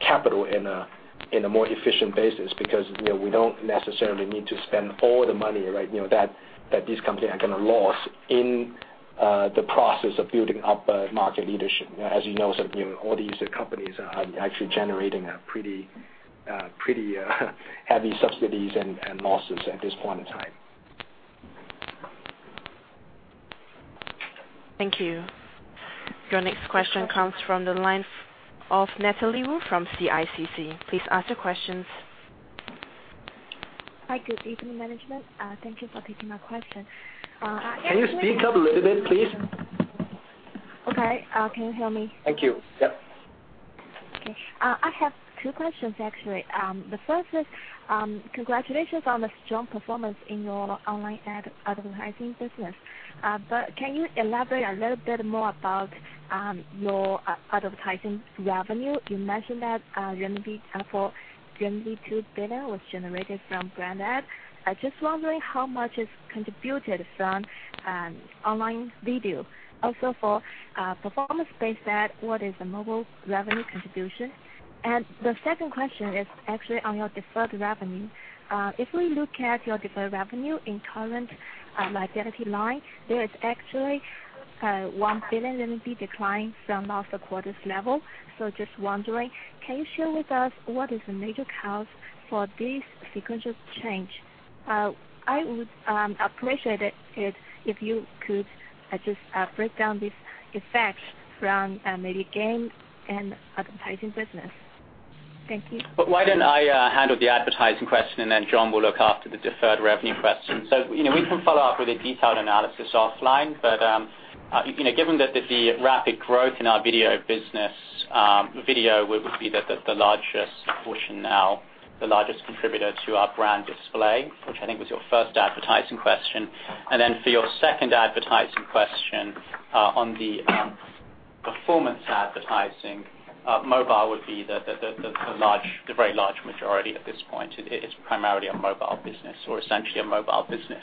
capital in a more efficient basis, because we don't necessarily need to spend all the money that these companies are going to lose in the process of building up market leadership. As you know, all these companies are actually generating pretty heavy subsidies and losses at this point in time.
Thank you. Your next question comes from the line of Natalie Wu from CICC. Please ask your questions.
Hi. Good evening, management. Thank you for taking my question.
Can you speak up a little bit, please?
Okay. Can you hear me?
Thank you. Yep.
I have two questions, actually. The first is, congratulations on the strong performance in your online advertising business. Can you elaborate a little bit more about your advertising revenue? You mentioned that 2 billion was generated from brand ads. I'm just wondering how much is contributed from online video. Also, for performance-based ad, what is the mobile revenue contribution? The second question is actually on your deferred revenue. If we look at your deferred revenue in current liability line, there is actually a 1 billion RMB decline from last quarter's level. Just wondering, can you share with us what is the major cause for this sequential change? I would appreciate it if you could just break down these effects from maybe gain and advertising business. Thank you.
Why don't I handle the advertising question, and then John will look after the deferred revenue question. We can follow up with a detailed analysis offline, but given that the rapid growth in our video business, video would be the largest portion now, the largest contributor to our brand display, which I think was your first advertising question. Then for your second advertising question on the Performance advertising, mobile would be the very large majority at this point. It is primarily a mobile business or essentially a mobile business.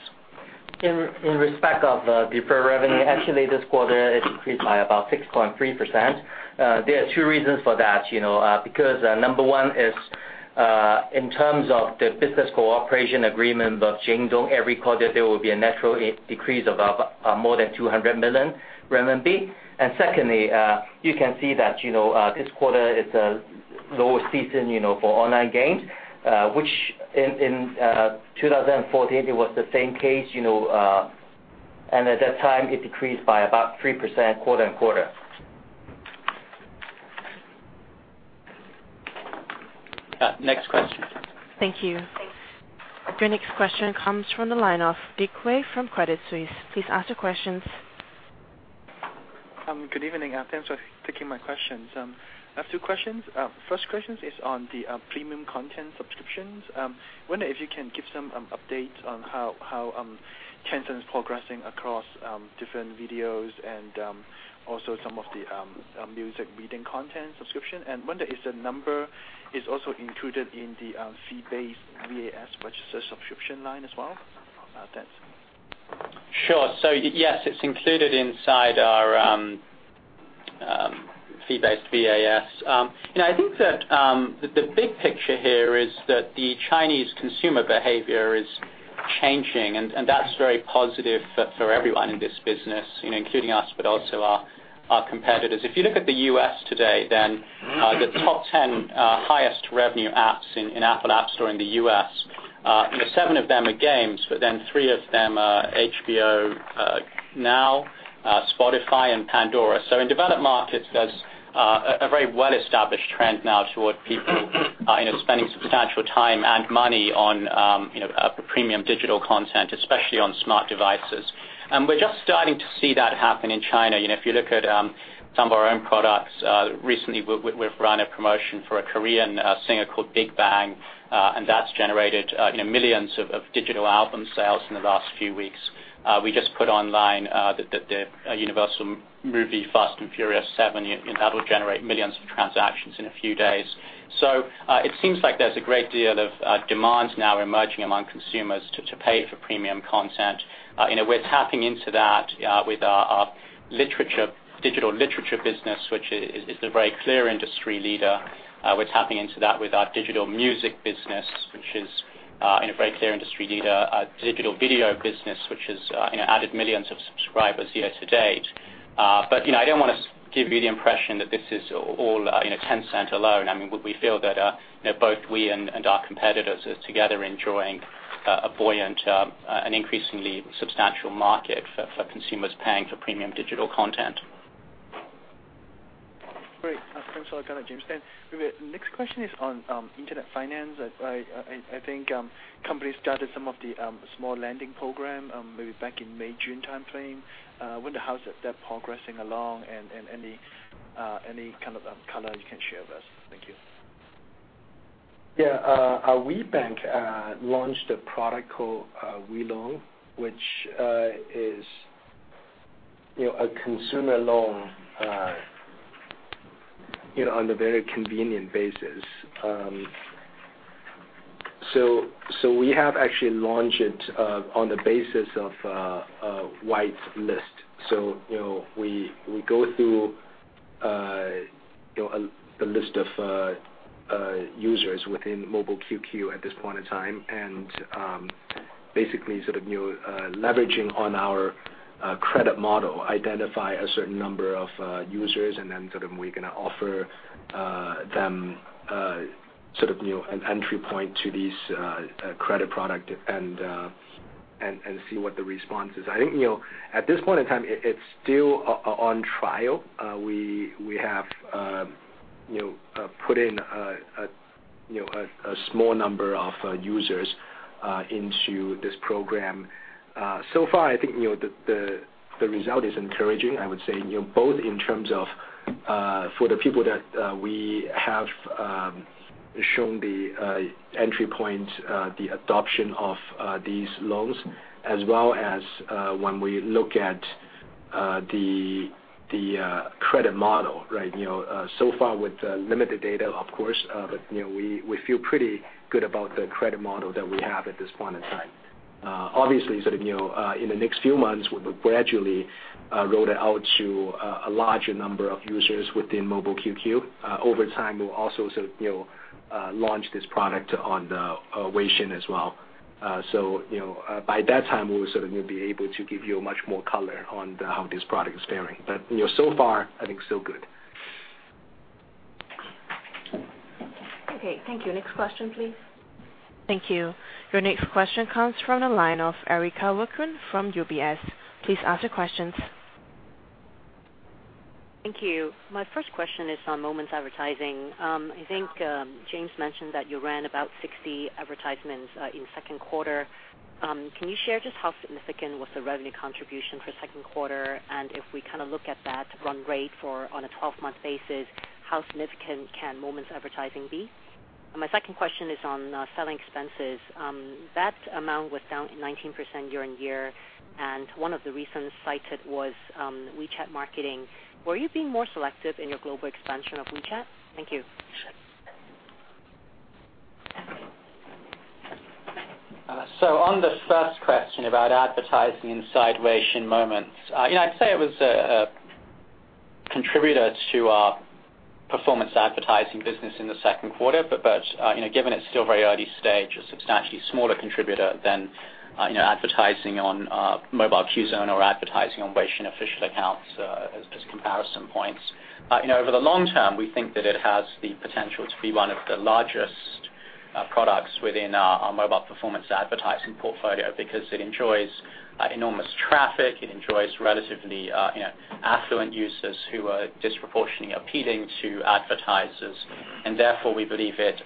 In respect of the deferred revenue, actually this quarter it increased by about 6.3%. There are two reasons for that. Number 1 is, in terms of the business cooperation agreement of Jingdong, every quarter there will be a natural decrease of more than 200 million RMB. Secondly, you can see that this quarter is a lower season for online games, which in 2014, it was the same case, and at that time it decreased by about 3% quarter-on-quarter.
Next question.
Thank you. Thanks. Your next question comes from the line of Dick Wei from Credit Suisse. Please ask your questions.
Good evening, Thanks for taking my questions. I have two questions. First question is on the premium content subscriptions. Wonder if you can give some updates on how Tencent is progressing across different videos also some of the music reading content subscription, Wonder is the number is also included in the fee-based VAS purchase subscription line as well?
Sure. Yes, it's included inside our fee-based VAS. I think that the big picture here is that the Chinese consumer behavior is changing, That's very positive for everyone in this business, including us, Also our competitors. If you look at the U.S. today, The top 10 highest revenue apps in Apple App Store in the U.S., seven of them are games, Three of them are HBO Now, Spotify, and Pandora. In developed markets, there's a very well-established trend now toward people spending substantial time and money on premium digital content, especially on smart devices. We're just starting to see that happen in China. If you look at some of our own products, recently we've run a promotion for a Korean singer called Big Bang, That's generated millions of digital album sales in the last few weeks. We just put online the Universal movie, "Furious 7," that will generate millions of transactions in a few days. It seems like there's a great deal of demands now emerging among consumers to pay for premium content. We're tapping into that with our digital literature business, which is the very clear industry leader. We're tapping into that with our digital music business, which is a very clear industry leader. Our digital video business, which has added millions of subscribers year to date. I don't want to give you the impression that this is all Tencent alone. We feel that both we and our competitors are together enjoying a buoyant, an increasingly substantial market for consumers paying for premium digital content.
Great. Thanks a lot, James. The next question is on internet finance. I think company started some of the small lending program, maybe back in May, June timeframe. I wonder how is that progressing along and any kind of color you can share with us. Thank you.
Our WeBank launched a product called WeLoan, which is a consumer loan on a very convenient basis. We have actually launched it on the basis of a whitelist. We go through the list of users within Mobile QQ at this point in time, and basically sort of leveraging on our credit model, identify a certain number of users and then sort of we're going to offer them an entry point to these credit product and see what the response is. I think, at this point in time, it's still on trial. We have put in a small number of users into this program. So far, I think the result is encouraging, I would say, both in terms of for the people that we have shown the entry point, the adoption of these loans, as well as when we look at the credit model. Far with limited data, of course, we feel pretty good about the credit model that we have at this point in time. Obviously, in the next few months, we'll gradually roll it out to a larger number of users within Mobile QQ. Over time, we'll also launch this product on the Weixin as well. By that time, we'll be able to give you much more color on how this product is faring. So far, I think so good.
Okay. Thank you. Next question, please. Thank you. Your next question comes from the line of Erica Wu from UBS. Please ask your questions.
Thank you. My first question is on Moments advertising. I think James mentioned that you ran about 60 advertisements in second quarter. Can you share just how significant was the revenue contribution for second quarter? If we look at that run rate on a 12-month basis, how significant can Moments advertising be? My second question is on selling expenses. That amount was down 19% year-on-year, and one of the reasons cited was WeChat marketing. Were you being more selective in your global expansion of WeChat? Thank you.
On the first question about advertising inside Weixin Moments, I'd say it was a contributor to our performance advertising business in the second quarter, but given it's still very early stage, a substantially smaller contributor than advertising on Mobile Qzone or advertising on Weixin official accounts as just comparison points. Over the long term, we think that it has the potential to be one of the largest products within our mobile performance advertising portfolio because it enjoys enormous traffic, it enjoys relatively affluent users who are disproportionately appealing to advertisers. Therefore we believe it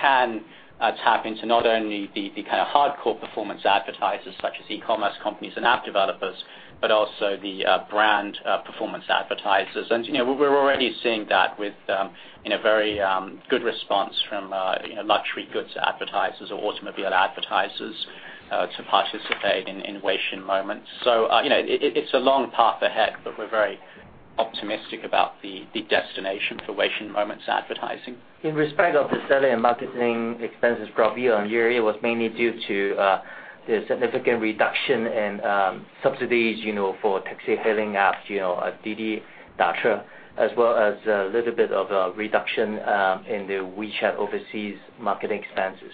can tap into not only the kind of hardcore performance advertisers such as e-commerce companies and app developers, but also the brand performance advertisers. We're already seeing that with very good response from luxury goods advertisers or automobile advertisers to participate in Weixin Moments. It's a long path ahead, but we're very optimistic about the destination for Weixin Moments advertising.
In respect of the selling and marketing expenses growth year-on-year, it was mainly due to the significant reduction in subsidies for taxi hailing apps, DiDi Dache, as well as a little bit of a reduction in the WeChat overseas marketing expenses.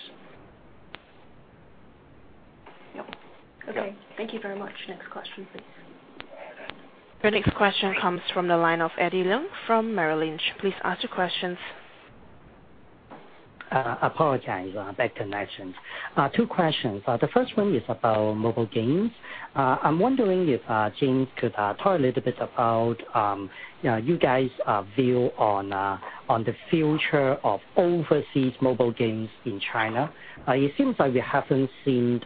Okay. Thank you very much. Next question, please.
The next question comes from the line of Eddie Leung from Merrill Lynch. Please ask your questions.
Apologize, bad connection. Two questions. The first one is about mobile games. I'm wondering if James could talk a little bit about you guys' view on the future of overseas mobile games in China. It seems like we haven't seen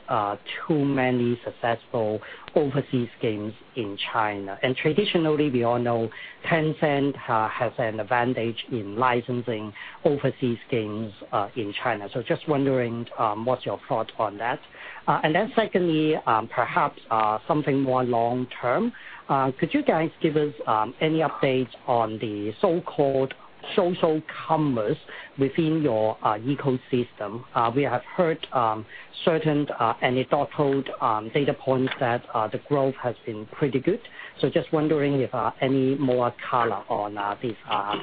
too many successful overseas games in China. Traditionally, we all know Tencent has an advantage in licensing overseas games in China. Just wondering what's your thought on that. Then secondly, perhaps something more long term. Could you guys give us any updates on the so-called social commerce within your ecosystem? We have heard certain anecdotal data points that the growth has been pretty good. Just wondering if any more color on these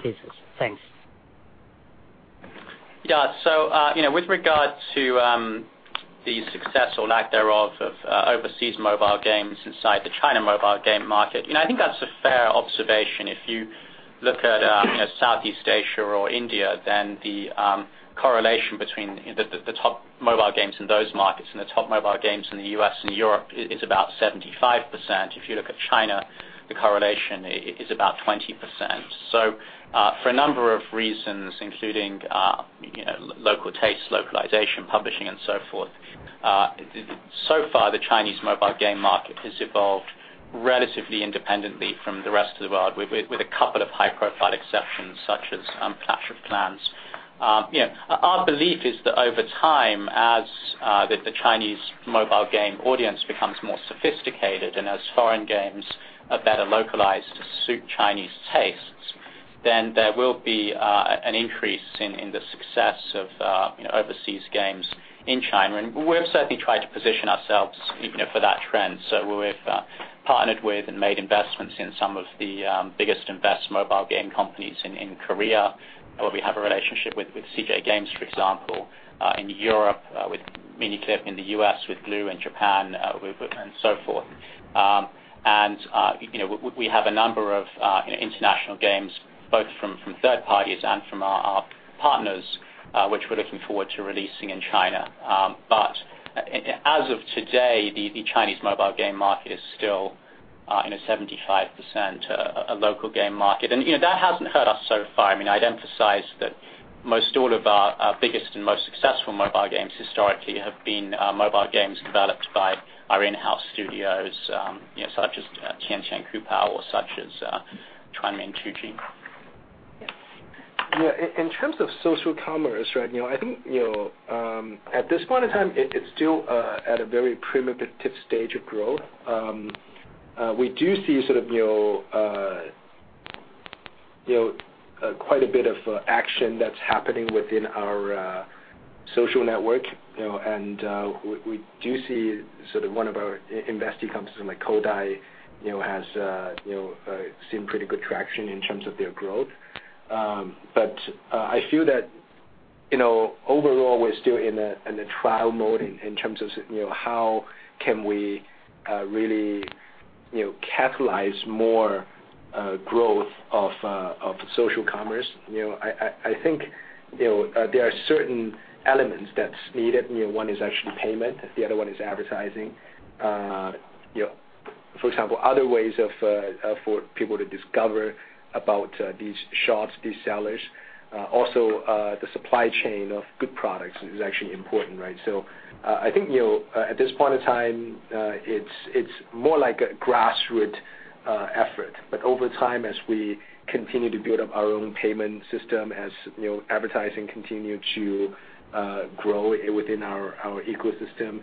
pieces. Thanks.
Yeah. With regard to the success or lack thereof of overseas mobile games inside the China mobile game market, I think that's a fair observation. If you look at Southeast Asia or India, the correlation between the top mobile games in those markets and the top mobile games in the U.S. and Europe is about 75%. If you look at China, the correlation is about 20%. For a number of reasons, including local taste, localization, publishing, and so forth, so far the Chinese mobile game market has evolved relatively independently from the rest of the world, with a couple of high-profile exceptions, such as Clash of Clans. Our belief is that over time, as the Chinese mobile game audience becomes more sophisticated and as foreign games are better localized to suit Chinese tastes, then there will be an increase in the success of overseas games in China. We've certainly tried to position ourselves for that trend. We've partnered with and made investments in some of the biggest and best mobile game companies in Korea, where we have a relationship with CJ Games, for example, in Europe, with Miniclip, in the U.S., with Glu, in Japan, and so forth. We have a number of international games, both from third parties and from our partners, which we're looking forward to releasing in China. As of today, the Chinese mobile game market is still in a 75% local game market. That hasn't hurt us so far. I'd emphasize that most all of our biggest and most successful mobile games historically have been mobile games developed by our in-house studios, such as TianTian Kupao or such as Quanmin Tuji.
Yeah, in terms of social commerce right now, I think at this point in time, it's still at a very primitive stage of growth. We do see quite a bit of action that's happening within our social network, and we do see one of our investee companies like Koudai has seen pretty good traction in terms of their growth. I feel that overall, we're still in a trial mode in terms of how can we really catalyze more growth of social commerce. I think there are certain elements that's needed. One is actually payment, the other one is advertising. For example, other ways for people to discover about these shops, these sellers. Also, the supply chain of good products is actually important. I think at this point in time, it's more like a grassroots effort. Over time, as we continue to build up our own payment system, as advertising continue to grow within our ecosystem,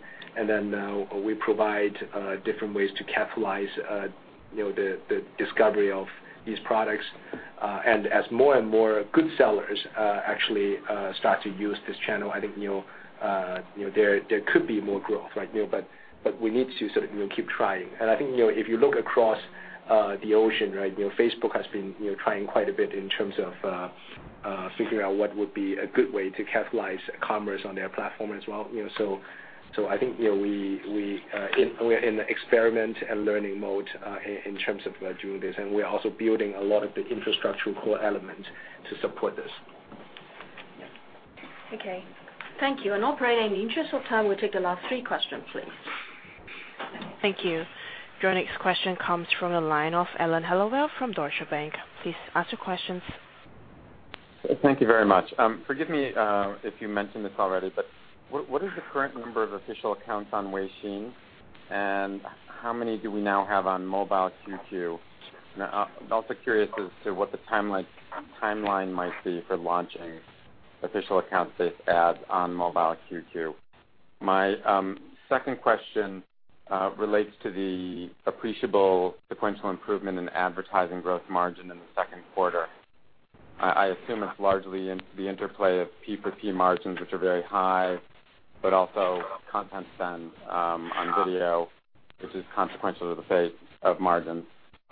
we provide different ways to capitalize the discovery of these products. As more and more good sellers actually start to use this channel, I think there could be more growth. We need to sort of keep trying. I think, if you look across the ocean, Facebook has been trying quite a bit in terms of figuring out what would be a good way to capitalize commerce on their platform as well. I think we're in the experiment and learning mode in terms of doing this. We're also building a lot of the infrastructural core elements to support this.
Okay. Thank you. Operator, in the interest of time, we'll take the last three questions, please.
Thank you. Your next question comes from the line of Alan Hellawell from Deutsche Bank. Please ask your questions.
Thank you very much. Forgive me if you mentioned this already, what is the current number of official accounts on Weixin? How many do we now have on Mobile QQ? I'm also curious as to what the timeline might be for launching official accounts-based ads on Mobile QQ. My second question relates to the appreciable sequential improvement in advertising growth margin in the second quarter. I assume it's largely the interplay of P for Q margins, which are very high, but also content spend on video, which is consequential to the fate of margins.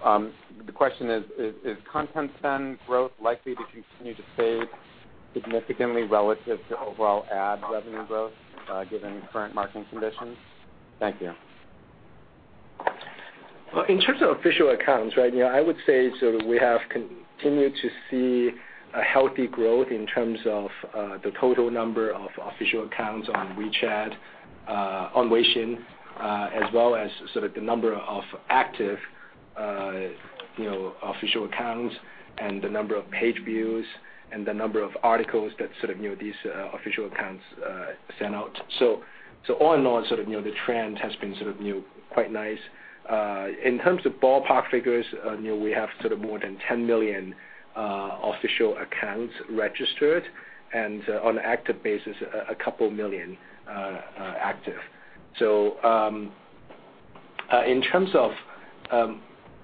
The question is: Is content spend growth likely to continue to fade significantly relative to overall ad revenue growth, given current marketing conditions? Thank you.
Well, in terms of official accounts, I would say we have continued to see a healthy growth in terms of the total number of official accounts on WeChat, on Weixin, as well as sort of the number of active official accounts and the number of page views and the number of articles that these official accounts sent out. All in all, the trend has been quite nice. In terms of ballpark figures, we have more than 10 million official accounts registered, and on an active basis, a couple million active. In terms of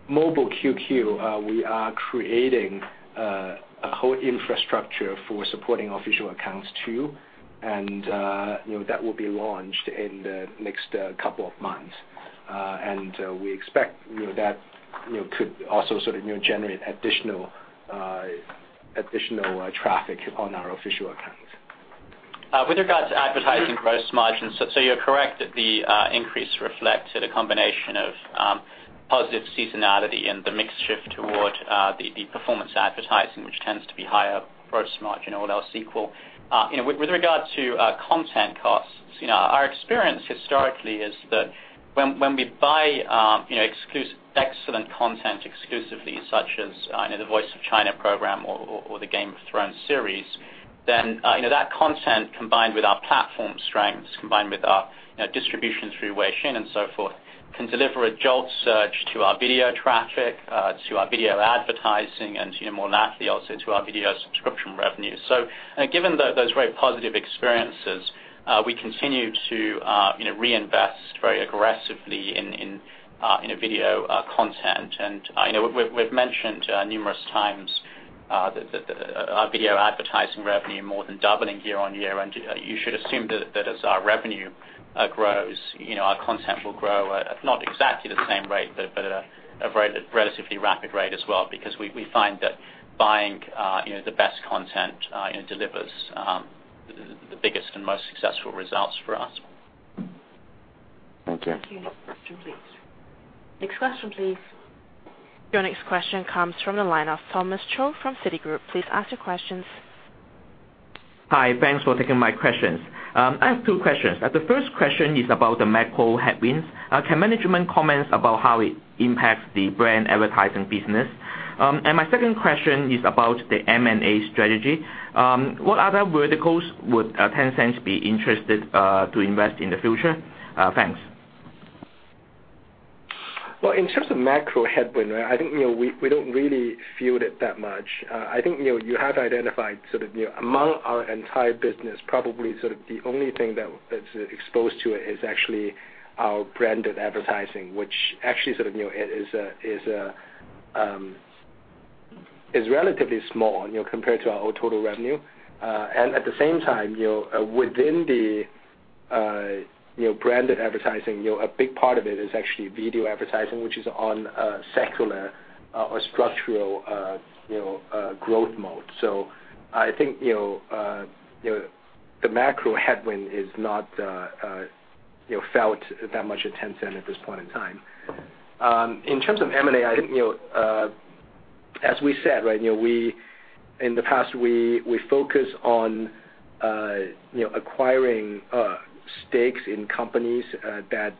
Mobile QQ, we are creating a whole infrastructure for supporting official accounts too. That will be launched in the next couple of months. We expect that could also sort of generate additional traffic on our official account.
With regards to advertising gross margins, you're correct that the increase reflects a combination of positive seasonality and the mix shift toward the performance advertising, which tends to be higher gross margin all else equal. With regard to content costs, our experience historically is that when we buy excellent content exclusively, such as The Voice of China program or the Game of Thrones series, that content combined with our platform strengths, combined with our distribution through Weixin and so forth, can deliver a surge to our video traffic, to our video advertising, and to more naturally also to our video subscription revenue. Given those very positive experiences, we continue to reinvest very aggressively in video content. We've mentioned numerous times that our video advertising revenue more than doubling year-on-year, you should assume that as our revenue grows, our content will grow at not exactly the same rate, but at a relatively rapid rate as well, because we find that buying the best content delivers the biggest and most successful results for us.
Thank you.
Thank you. Next question please.
Your next question comes from the line of Thomas Chong from Citigroup. Please ask your questions.
Hi. Thanks for taking my questions. I have two questions. The first question is about the macro headwinds. Can management comment about how it impacts the brand advertising business? My second question is about the M&A strategy. What other verticals would Tencent be interested to invest in the future? Thanks.
Well, in terms of macro headwind, I think we don't really feel it that much. I think you have identified sort of among our entire business, probably sort of the only thing that's exposed to it is actually our branded advertising, which actually sort of is relatively small compared to our total revenue. At the same time, within the branded advertising, a big part of it is actually video advertising, which is on a secular or structural growth mode. I think the macro headwind is not felt that much at Tencent at this point in time. In terms of M&A, as we said, in the past, we focus on acquiring stakes in companies that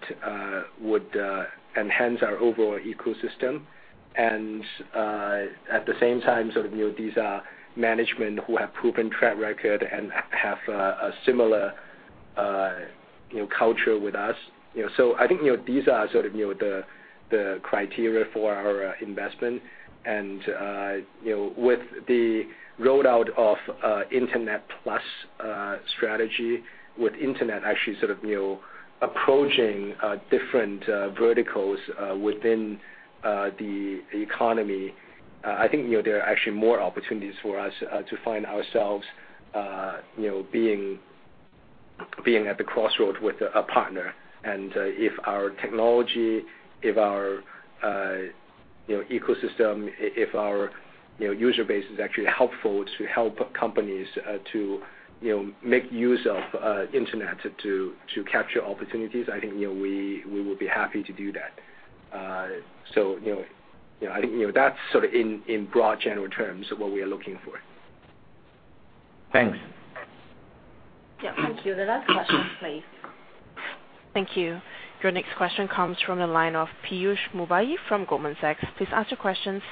would enhance our overall ecosystem and at the same time, these are management who have proven track record and have a similar culture with us. I think these are the criteria for our investment and with the rollout of Internet Plus strategy, with internet actually approaching different verticals within the economy, I think there are actually more opportunities for us to find ourselves being at the crossroad with a partner. If our technology, if our ecosystem, if our user base is actually helpful to help companies to make use of internet to capture opportunities, I think we will be happy to do that. I think that's in broad general terms, what we are looking for.
Thanks.
Yeah, thank you. The last question, please.
Thank you. Your next question comes from the line of Piyush Mubayi from Goldman Sachs. Please ask your questions.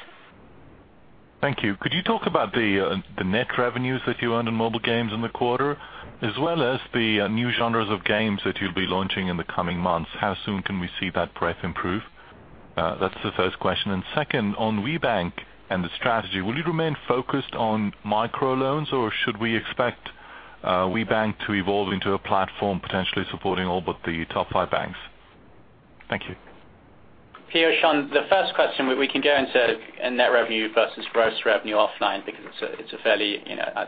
Thank you. Could you talk about the net revenues that you earned in mobile games in the quarter, as well as the new genres of games that you'll be launching in the coming months. How soon can we see that breadth improve? That's the first question. Second, on WeBank and the strategy, will you remain focused on microloans or should we expect WeBank to evolve into a platform potentially supporting all but the top five banks? Thank you.
Piyush, on the first question, we can go into net revenue versus gross revenue offline because it's a fairly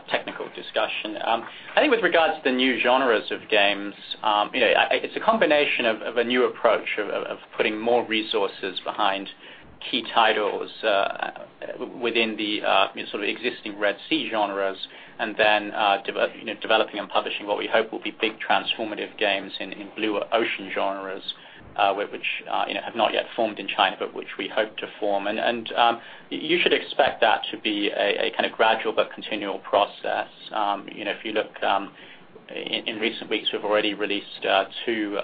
technical discussion. I think with regards to the new genres of games, it's a combination of a new approach of putting more resources behind key titles within the existing Red Ocean genres, then developing and publishing what we hope will be big transformative games in Blue Ocean genres, which have not yet formed in China, but which we hope to form. You should expect that to be a kind of gradual but continual process. If you look, in recent weeks, we've already released two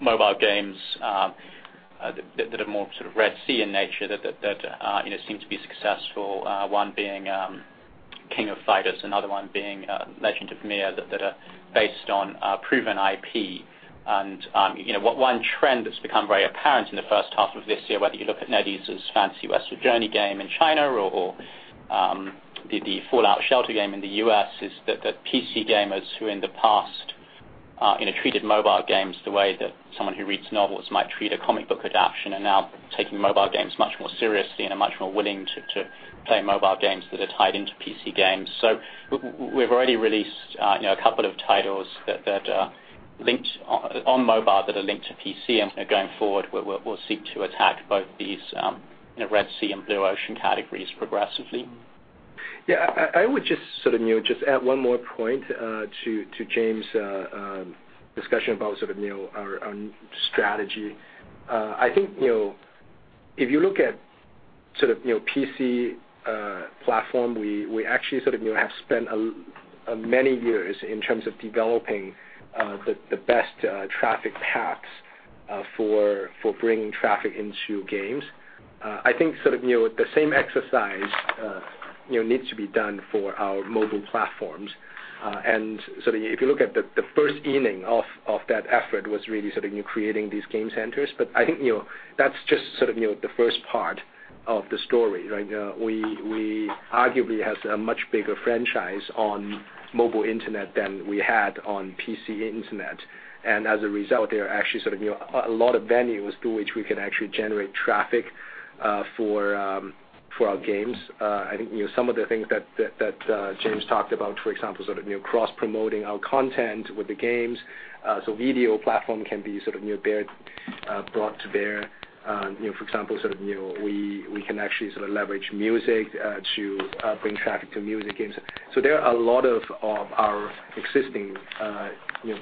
mobile games, that are more sort of Red Ocean in nature that seem to be successful. One being King of Fighters, another one being Legend of Mir, that are based on proven IP. One trend that's become very apparent in the first half of this year, whether you look at NetEase's Fantasy Westward Journey game in China or the Fallout Shelter game in the U.S., is that PC gamers who in the past treated mobile games the way that someone who reads novels might treat a comic book adaption, are now taking mobile games much more seriously and are much more willing to play mobile games that are tied into PC games. We've already released a couple of titles on mobile that are linked to PC, and going forward, we'll seek to attack both these Red Ocean and Blue Ocean categories progressively.
Yeah, I would just add one more point to James' discussion about our own strategy. I think, if you look at PC platform, we actually have spent many years in terms of developing the best traffic paths for bringing traffic into games. I think the same exercise needs to be done for our mobile platforms. If you look at the first inning of that effort was really creating these game centers. I think, that's just the first part of the story, right? We arguably have a much bigger franchise on mobile internet than we had on PC internet. As a result, there are actually a lot of venues through which we can actually generate traffic for our games. I think some of the things that James talked about, for example, cross-promoting our content with the games, so video platform can be brought to bear. For example, we can actually leverage music to bring traffic to music games. There are a lot of our existing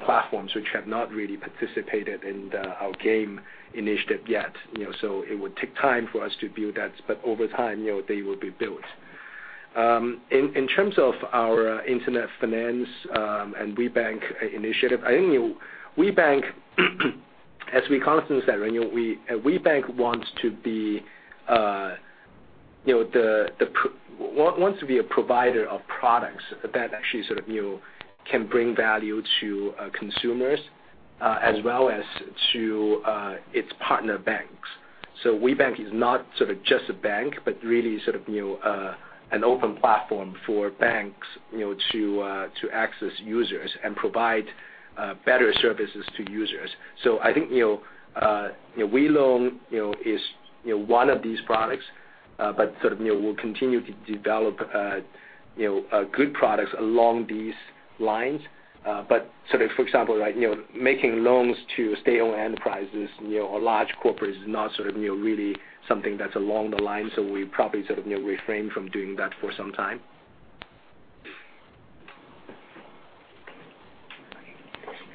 platforms which have not really participated in our game initiative yet. It would take time for us to build that, but over time, they will be built. In terms of our internet finance, and WeBank initiative, I think WeBank as we constantly say, WeBank wants to be a provider of products that actually can bring value to consumers, as well as to its partner banks. WeBank is not just a bank, but really an open platform for banks to access users and provide better services to users. I think Weilidai is one of these products, but we'll continue to develop good products along these lines. For example, making loans to state-owned enterprises or large corporates is not really something that's along the lines, so we probably refrain from doing that for some time.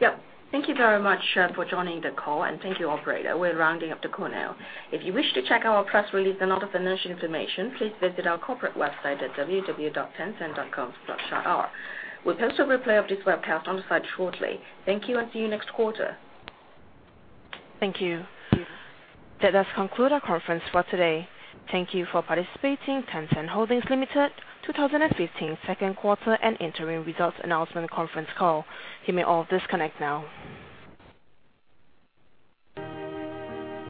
Yep. Thank you very much for joining the call. Thank you, operator. We're rounding up the call now. If you wish to check our press release and other financial information, please visit our corporate website at www.tencent.com/ir. We'll post a replay of this webcast on the site shortly. Thank you, and see you next quarter.
Thank you. That does conclude our conference for today. Thank you for participating. Tencent Holdings Limited 2015 second quarter and interim results announcement conference call. You may all disconnect now.